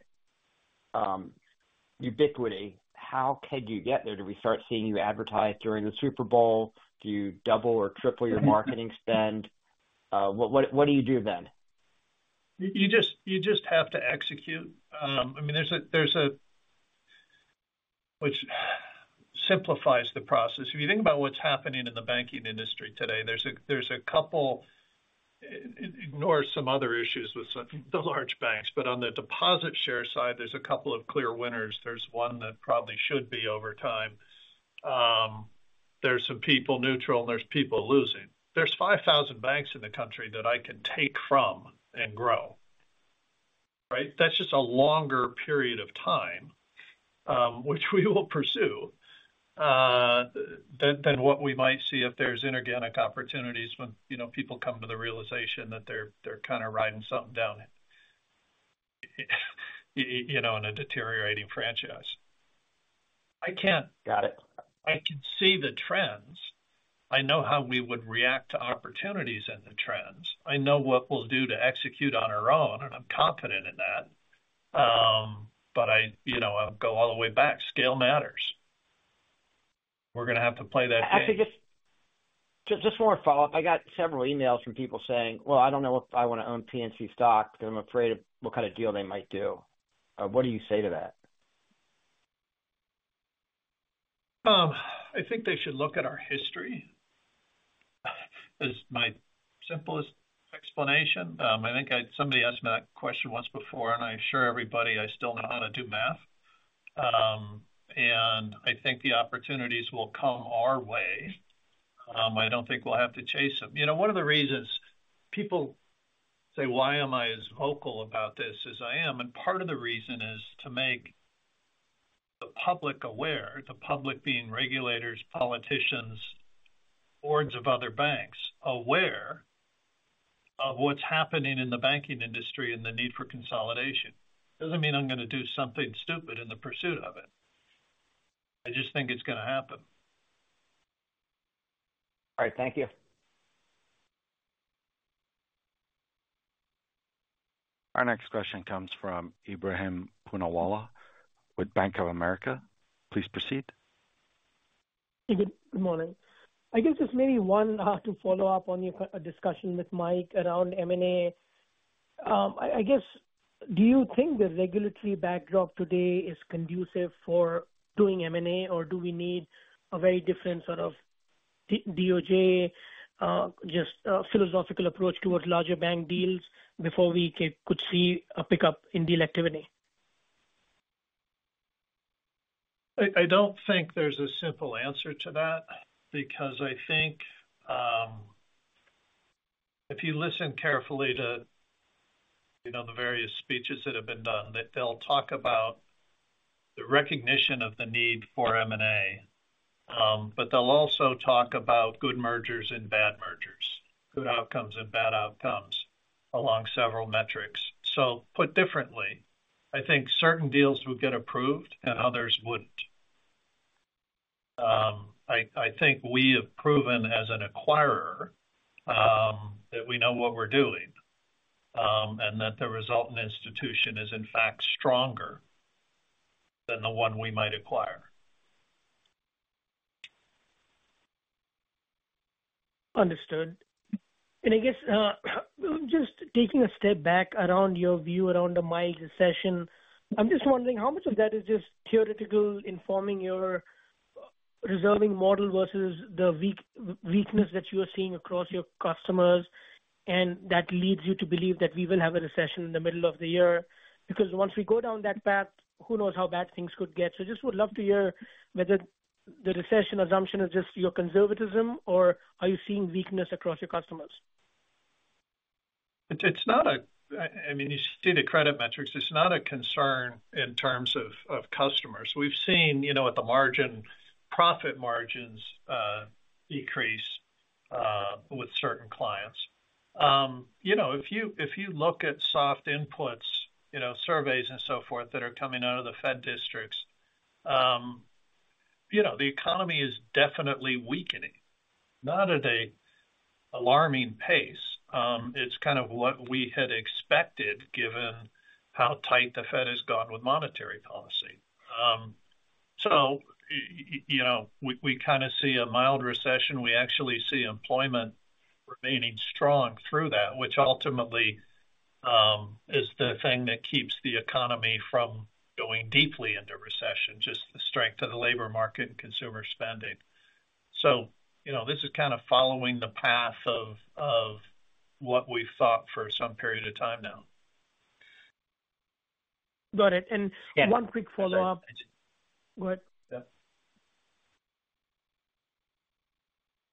ubiquity, how could you get there? Do we start seeing you advertise during the Super Bowl? Do you double or triple your marketing spend? What do you do then? You just have to execute. I mean, which simplifies the process. If you think about what's happening in the banking industry today, there's a couple... Ignore some other issues with the large banks, but on the deposit share side, there's a couple of clear winners. There's one that probably should be over time. There's some people neutral, and there's people losing. There's 5,000 banks in the country that I can take from and grow, right? That's just a longer period of time, which we will pursue, than what we might see if there's inorganic opportunities when, you know, people come to the realization that they're kind of writing something down, you know, in a deteriorating franchise. I can't- Got it. I can see the trends. I know how we would react to opportunities in the trends. I know what we'll do to execute on our own, and I'm confident in that. But I, you know, I'll go all the way back: scale matters. We're going to have to play that game. I think it's just, just one follow-up. I got several emails from people saying, "Well, I don't know if I want to own PNC stock, but I'm afraid of what kind of deal they might do." What do you say to that? …I think they should look at our history, is my simplest explanation. I think somebody asked me that question once before, and I assure everybody I still know how to do math. And I think the opportunities will come our way. I don't think we'll have to chase them. You know, one of the reasons people say, why am I as vocal about this as I am? And part of the reason is to make the public aware, the public being regulators, politicians, boards of other banks, aware of what's happening in the banking industry and the need for consolidation. Doesn't mean I'm going to do something stupid in the pursuit of it. I just think it's going to happen. All right, thank you. Our next question comes from Ebrahim Poonawala with Bank of America. Please proceed. Good morning. I guess just maybe one, to follow up on your kind of discussion with Mike around M&A. I guess, do you think the regulatory backdrop today is conducive for doing M&A, or do we need a very different sort of DOJ, just philosophical approach towards larger bank deals before we could see a pickup in deal activity? I don't think there's a simple answer to that because I think, if you listen carefully to, you know, the various speeches that have been done, that they'll talk about the recognition of the need for M&A, but they'll also talk about good mergers and bad mergers, good outcomes and bad outcomes along several metrics. So put differently, I think certain deals would get approved and others wouldn't. I think we have proven as an acquirer, that we know what we're doing, and that the resultant institution is, in fact, stronger than the one we might acquire. Understood. And I guess, just taking a step back around your view around the mild recession, I'm just wondering, how much of that is just theoretical, informing your reserving model versus the weakness that you are seeing across your customers, and that leads you to believe that we will have a recession in the middle of the year? Because once we go down that path, who knows how bad things could get. So just would love to hear whether the recession assumption is just your conservatism or are you seeing weakness across your customers? It's not a—I mean, you see the credit metrics. It's not a concern in terms of customers. We've seen, you know, at the margin, profit margins decrease with certain clients. You know, if you look at soft inputs, you know, surveys and so forth, that are coming out of the Fed districts, you know, the economy is definitely weakening. Not at an alarming pace. It's kind of what we had expected, given how tight the Fed has gone with monetary policy. So you know, we kind of see a mild recession. We actually see employment remaining strong through that, which ultimately is the thing that keeps the economy from going deeply into recession, just the strength of the labor market and consumer spending. So, you know, this is kind of following the path of what we've thought for some period of time now. Got it. Yeah. One quick follow-up. Go ahead. Yeah.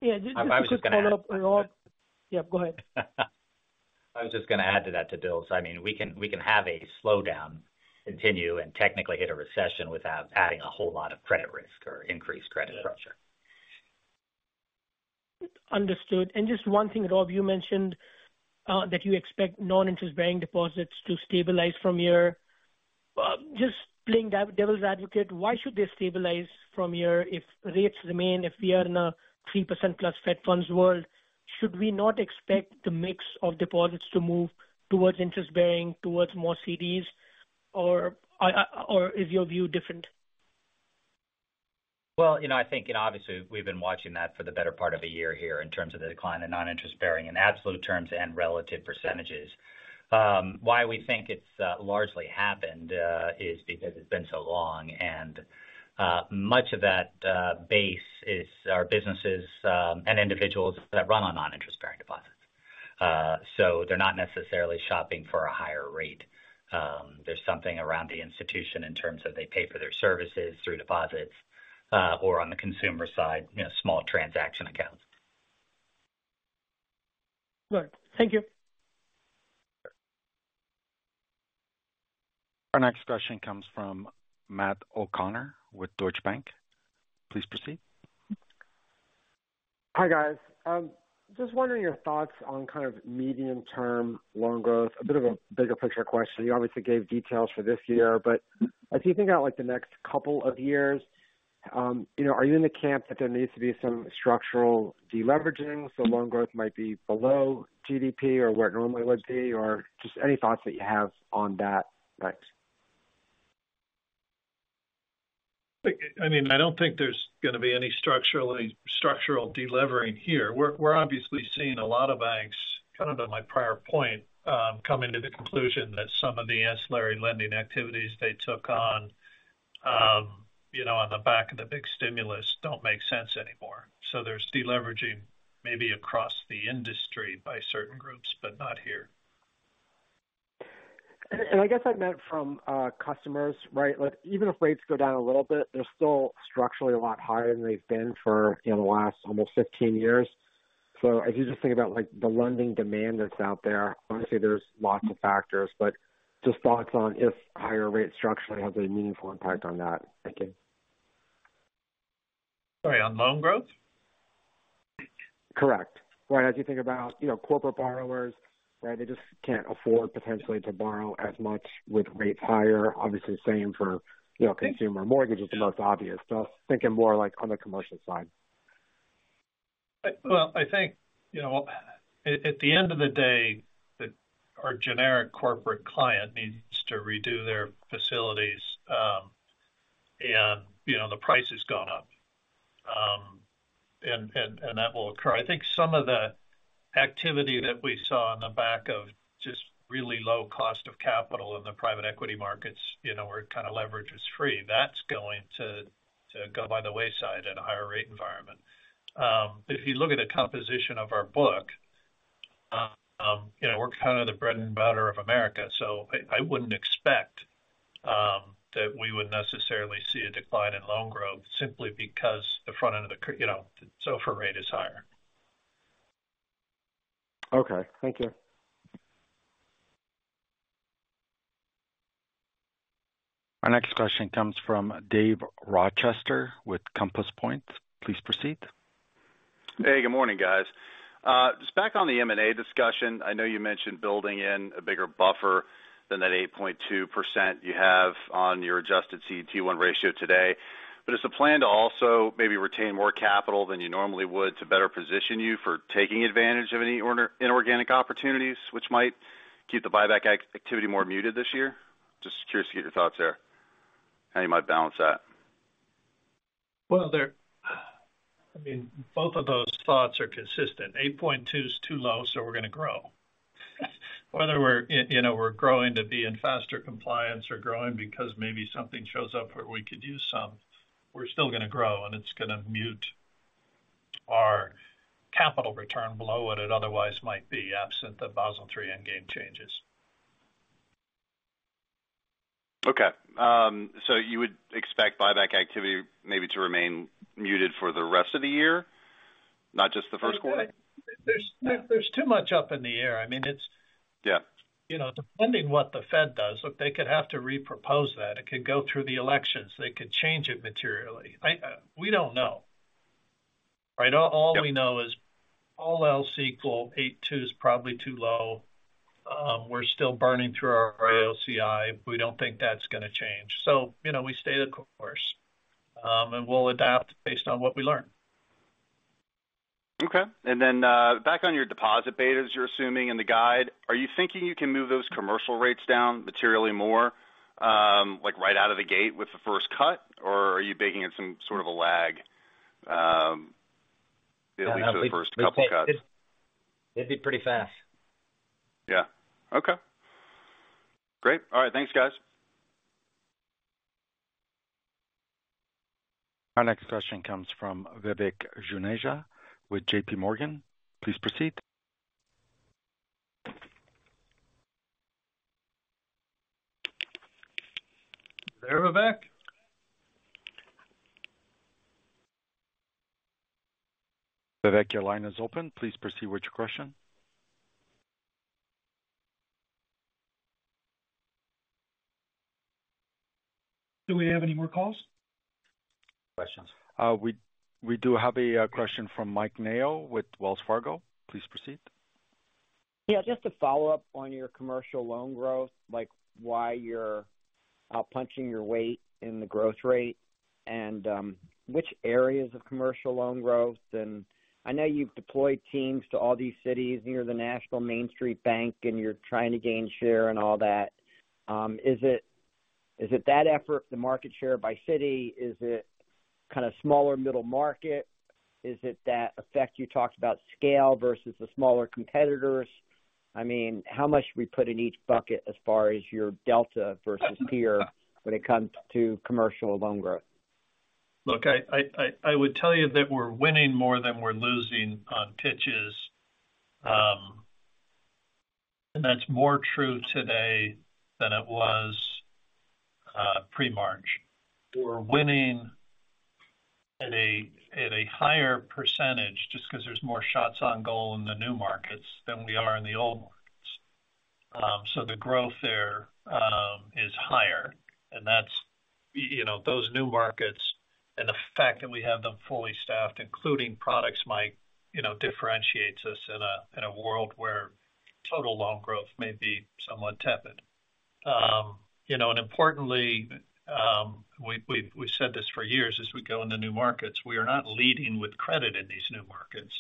Yeah, just- I was just going to add- Yeah, go ahead. I was just going to add to that, to Bill's. I mean, we can, we can have a slowdown continue and technically hit a recession without adding a whole lot of credit risk or increased credit pressure. Understood. Just one thing, Rob, you mentioned that you expect non-interest bearing deposits to stabilize from here. Just playing devil's advocate, why should they stabilize from here if rates remain, if we are in a 3%+ Fed funds world? Should we not expect the mix of deposits to move towards interest-bearing, towards more CDs, or is your view different? Well, you know, I think and obviously we've been watching that for the better part of a year here in terms of the decline in non-interest bearing, in absolute terms and relative percentages. Why we think it's largely happened is because it's been so long, and much of that base is our businesses and individuals that run on non-interest bearing deposits. So they're not necessarily shopping for a higher rate. There's something around the institution in terms of they pay for their services through deposits, or on the consumer side, you know, small transaction accounts. Right. Thank you. Our next question comes from Matt O'Connor, with Deutsche Bank. Please proceed. Hi, guys. Just wondering your thoughts on kind of medium-term loan growth. A bit of a bigger picture question. You obviously gave details for this year, but as you think out, like, the next couple of years, you know, are you in the camp that there needs to be some structural deleveraging, so loan growth might be below GDP or where it normally would be? Or just any thoughts that you have on that front. I mean, I don't think there's going to be any structural delevering here. We're obviously seeing a lot of banks kind of to my prior point, coming to the conclusion that some of the ancillary lending activities they took on, you know, on the back of the big stimulus don't make sense anymore. So there's deleveraging maybe across the industry by certain groups, but not here. And I guess I meant from customers, right? Like, even if rates go down a little bit, they're still structurally a lot higher than they've been for in the last almost 15 years. So as you just think about, like, the lending demand that's out there, obviously, there's lots of factors, but just thoughts on if higher rates structurally have a meaningful impact on that. Thank you. Sorry, on loan growth? Correct. Right. As you think about, you know, corporate borrowers, right, they just can't afford potentially to borrow as much with rates higher. Obviously, the same for, you know, consumer mortgages, the most obvious. So I was thinking more like on the commercial side. Well, I think, you know, at the end of the day, that our generic corporate client needs to redo their facilities, and, you know, the price has gone up. That will occur. I think some of the activity that we saw on the back of just really low cost of capital in the private equity markets, you know, where kind of leverage is free, that's going to go by the wayside in a higher rate environment. If you look at the composition of our book, you know, we're kind of the bread and butter of America. So I wouldn't expect that we would necessarily see a decline in loan growth simply because the front end of the curve, you know, SOFR rate is higher. Okay, thank you. Our next question comes from Dave Rochester with Compass Point. Please proceed. Hey, good morning, guys. Just back on the M&A discussion. I know you mentioned building in a bigger buffer than that 8.2% you have on your adjusted CET1 ratio today, but is the plan to also maybe retain more capital than you normally would to better position you for taking advantage of any other inorganic opportunities, which might keep the buyback activity more muted this year? Just curious to get your thoughts there, how you might balance that. Well, there—I mean, both of those thoughts are consistent. 8.2 is too low, so we're going to grow. Whether we're, you know, we're growing to be in faster compliance or growing because maybe something shows up where we could use some, we're still going to grow, and it's going to mute our capital return below what it otherwise might be, absent the Basel III Endgame changes. Okay, so you would expect buyback activity maybe to remain muted for the rest of the year, not just the first quarter? There's too much up in the air. I mean, it's- Yeah. You know, depending what the Fed does, look, they could have to repropose that. It could go through the elections. They could change it materially. I... We don't know. Right? Yeah. All we know is all else equal, 82 is probably too low. We're still burning through our AOCI. We don't think that's going to change. So, you know, we stay the course, and we'll adapt based on what we learn. Okay. And then, back on your deposit betas, you're assuming in the guide, are you thinking you can move those commercial rates down materially more, like, right out of the gate with the first cut? Or are you baking in some sort of a lag, at least for the first couple cuts? It'd be pretty fast. Yeah. Okay. Great. All right. Thanks, guys. Our next question comes from Vivek Juneja with JPMorgan. Please proceed. Hey, Vivek. Vivek, your line is open. Please proceed with your question. Do we have any more calls? Questions. We do have a question from Mike Mayo with Wells Fargo. Please proceed. Yeah, just to follow up on your commercial loan growth, like, why you're outpunching your weight in the growth rate and, which areas of commercial loan growth? And I know you've deployed teams to all these cities near the National Main Street Bank, and you're trying to gain share and all that. Is it, is it that effort, the market share by city? Is it kind of smaller middle market? Is it that effect you talked about scale versus the smaller competitors? I mean, how much do we put in each bucket as far as your delta versus peer when it comes to commercial loan growth? Look, I, I, I, I would tell you that we're winning more than we're losing on pitches. And that's more true today than it was pre-March. We're winning at a higher percentage just because there's more shots on goal in the new markets than we are in the old markets. So the growth there is higher, and that's, you know, those new markets and the fact that we have them fully staffed, including products, Mike, you know, differentiates us in a world where total loan growth may be somewhat tepid. And importantly, we've said this for years as we go into new markets, we are not leading with credit in these new markets.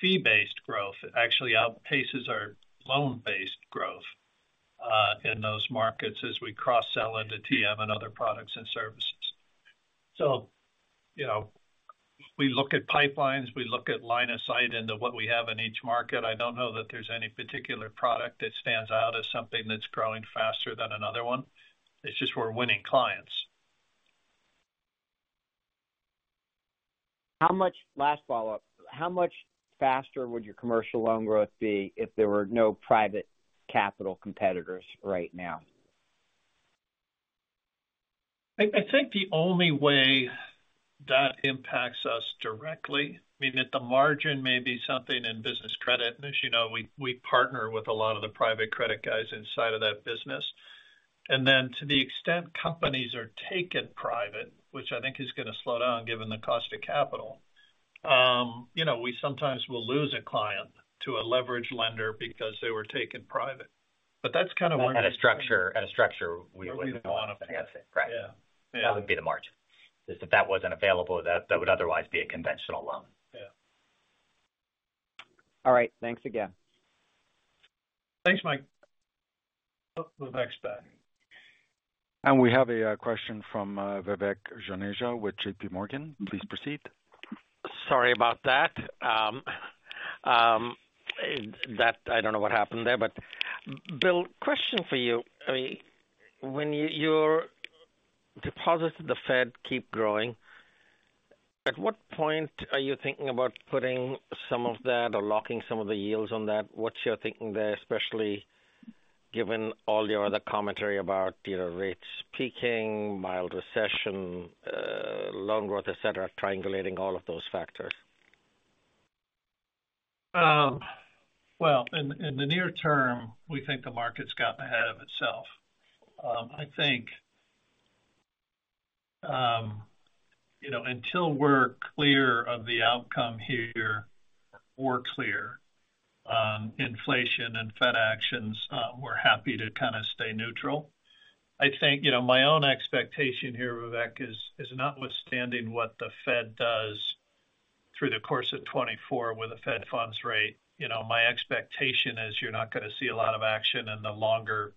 Fee-based growth actually outpaces our loan-based growth in those markets as we cross-sell into TM and other products and services. You know, we look at pipelines, we look at line of sight into what we have in each market. I don't know that there's any particular product that stands out as something that's growing faster than another one. It's just we're winning clients. Last follow-up. How much faster would your commercial loan growth be if there were no private capital competitors right now? I think the only way that impacts us directly, I mean, at the margin may be something in Business Credit. And as you know, we partner with a lot of the private credit guys inside of that business. And then to the extent companies are taken private, which I think is going to slow down given the cost of capital, you know, we sometimes will lose a client to a leveraged lender because they were taken private. But that's kind of one- At a structure we would want, I guess. Right. Yeah. That would be the margin. As if that wasn't available, that, that would otherwise be a conventional loan. Yeah. All right, thanks again. Thanks, Mike. The next question. We have a question from Vivek Juneja with JPMorgan. Please proceed. Sorry about that. I don't know what happened there, but Bill, question for you. I mean, when your deposits at the Fed keep growing, at what point are you thinking about putting some of that or locking some of the yields on that? What's your thinking there, especially given all your other commentary about, you know, rates peaking, mild recession, loan growth, et cetera, triangulating all of those factors? Well, in the near term, we think the market's got ahead of itself. I think, you know, until we're clear of the outcome here, or clear, inflation and Fed actions, we're happy to kind of stay neutral. I think, you know, my own expectation here, Vivek, is notwithstanding what the Fed does through the course of 2024 with the Fed funds rate. You know, my expectation is you're not going to see a lot of action in the longer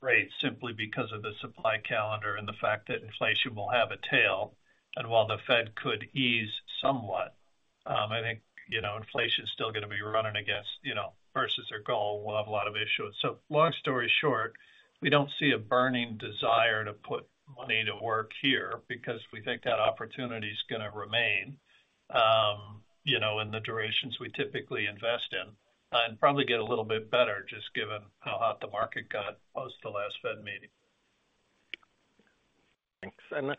rates simply because of the supply calendar and the fact that inflation will have a tail. And while the Fed could ease somewhat, I think, you know, inflation is still going to be running against, you know, versus their goal. We'll have a lot of issues. So long story short, we don't see a burning desire to put money to work here because we think that opportunity is going to remain, you know, in the durations we typically invest in. And probably get a little bit better just given how hot the market got post the last Fed meeting. Thanks. And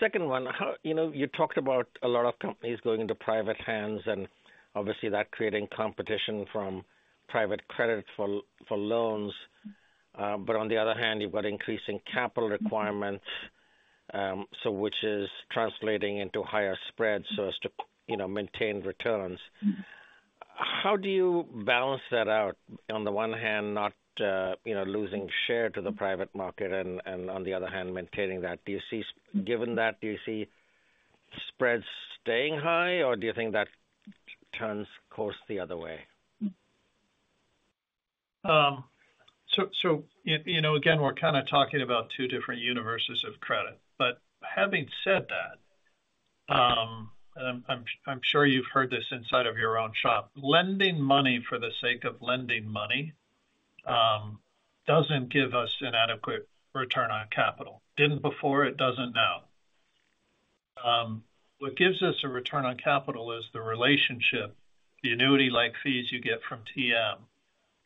second one, how... You know, you talked about a lot of companies going into private hands, and obviously that creating competition from private credit for, for loans. But on the other hand, you've got increasing capital requirements, so which is translating into higher spreads so as to, you know, maintain returns. How do you balance that out? On the one hand, not, you know, losing share to the private market, and, and on the other hand, maintaining that. Do you see- given that, do you see spreads staying high, or do you think that turns course the other way? So, you know, again, we're kind of talking about two different universes of credit. But having said that, and I'm sure you've heard this inside of your own shop. Lending money for the sake of lending money doesn't give us an adequate return on capital. Didn't before, it doesn't now. What gives us a return on capital is the relationship, the annuity-like fees you get from TM,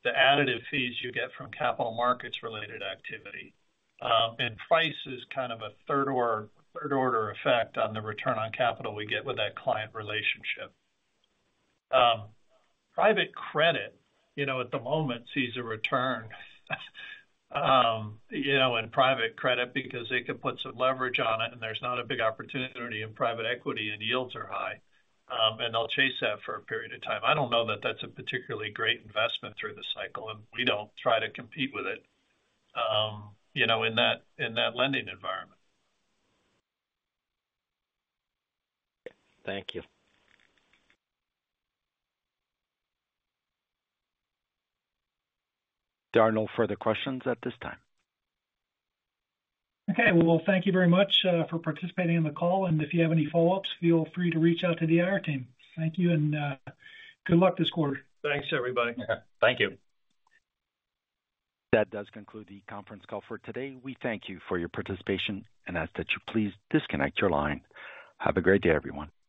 the additive fees you get from capital markets-related activity. And price is kind of a third or third-order effect on the return on capital we get with that client relationship. Private credit, you know, at the moment sees a return, you know, in private credit because they can put some leverage on it, and there's not a big opportunity in private equity, and yields are high. They'll chase that for a period of time. I don't know that that's a particularly great investment through the cycle, and we don't try to compete with it, you know, in that, in that lending environment. Thank you. There are no further questions at this time. Okay, well, thank you very much for participating in the call, and if you have any follow-ups, feel free to reach out to the IR team. Thank you, and good luck this quarter. Thanks, everybody. Thank you. That does conclude the conference call for today. We thank you for your participation and ask that you please disconnect your line. Have a great day, everyone.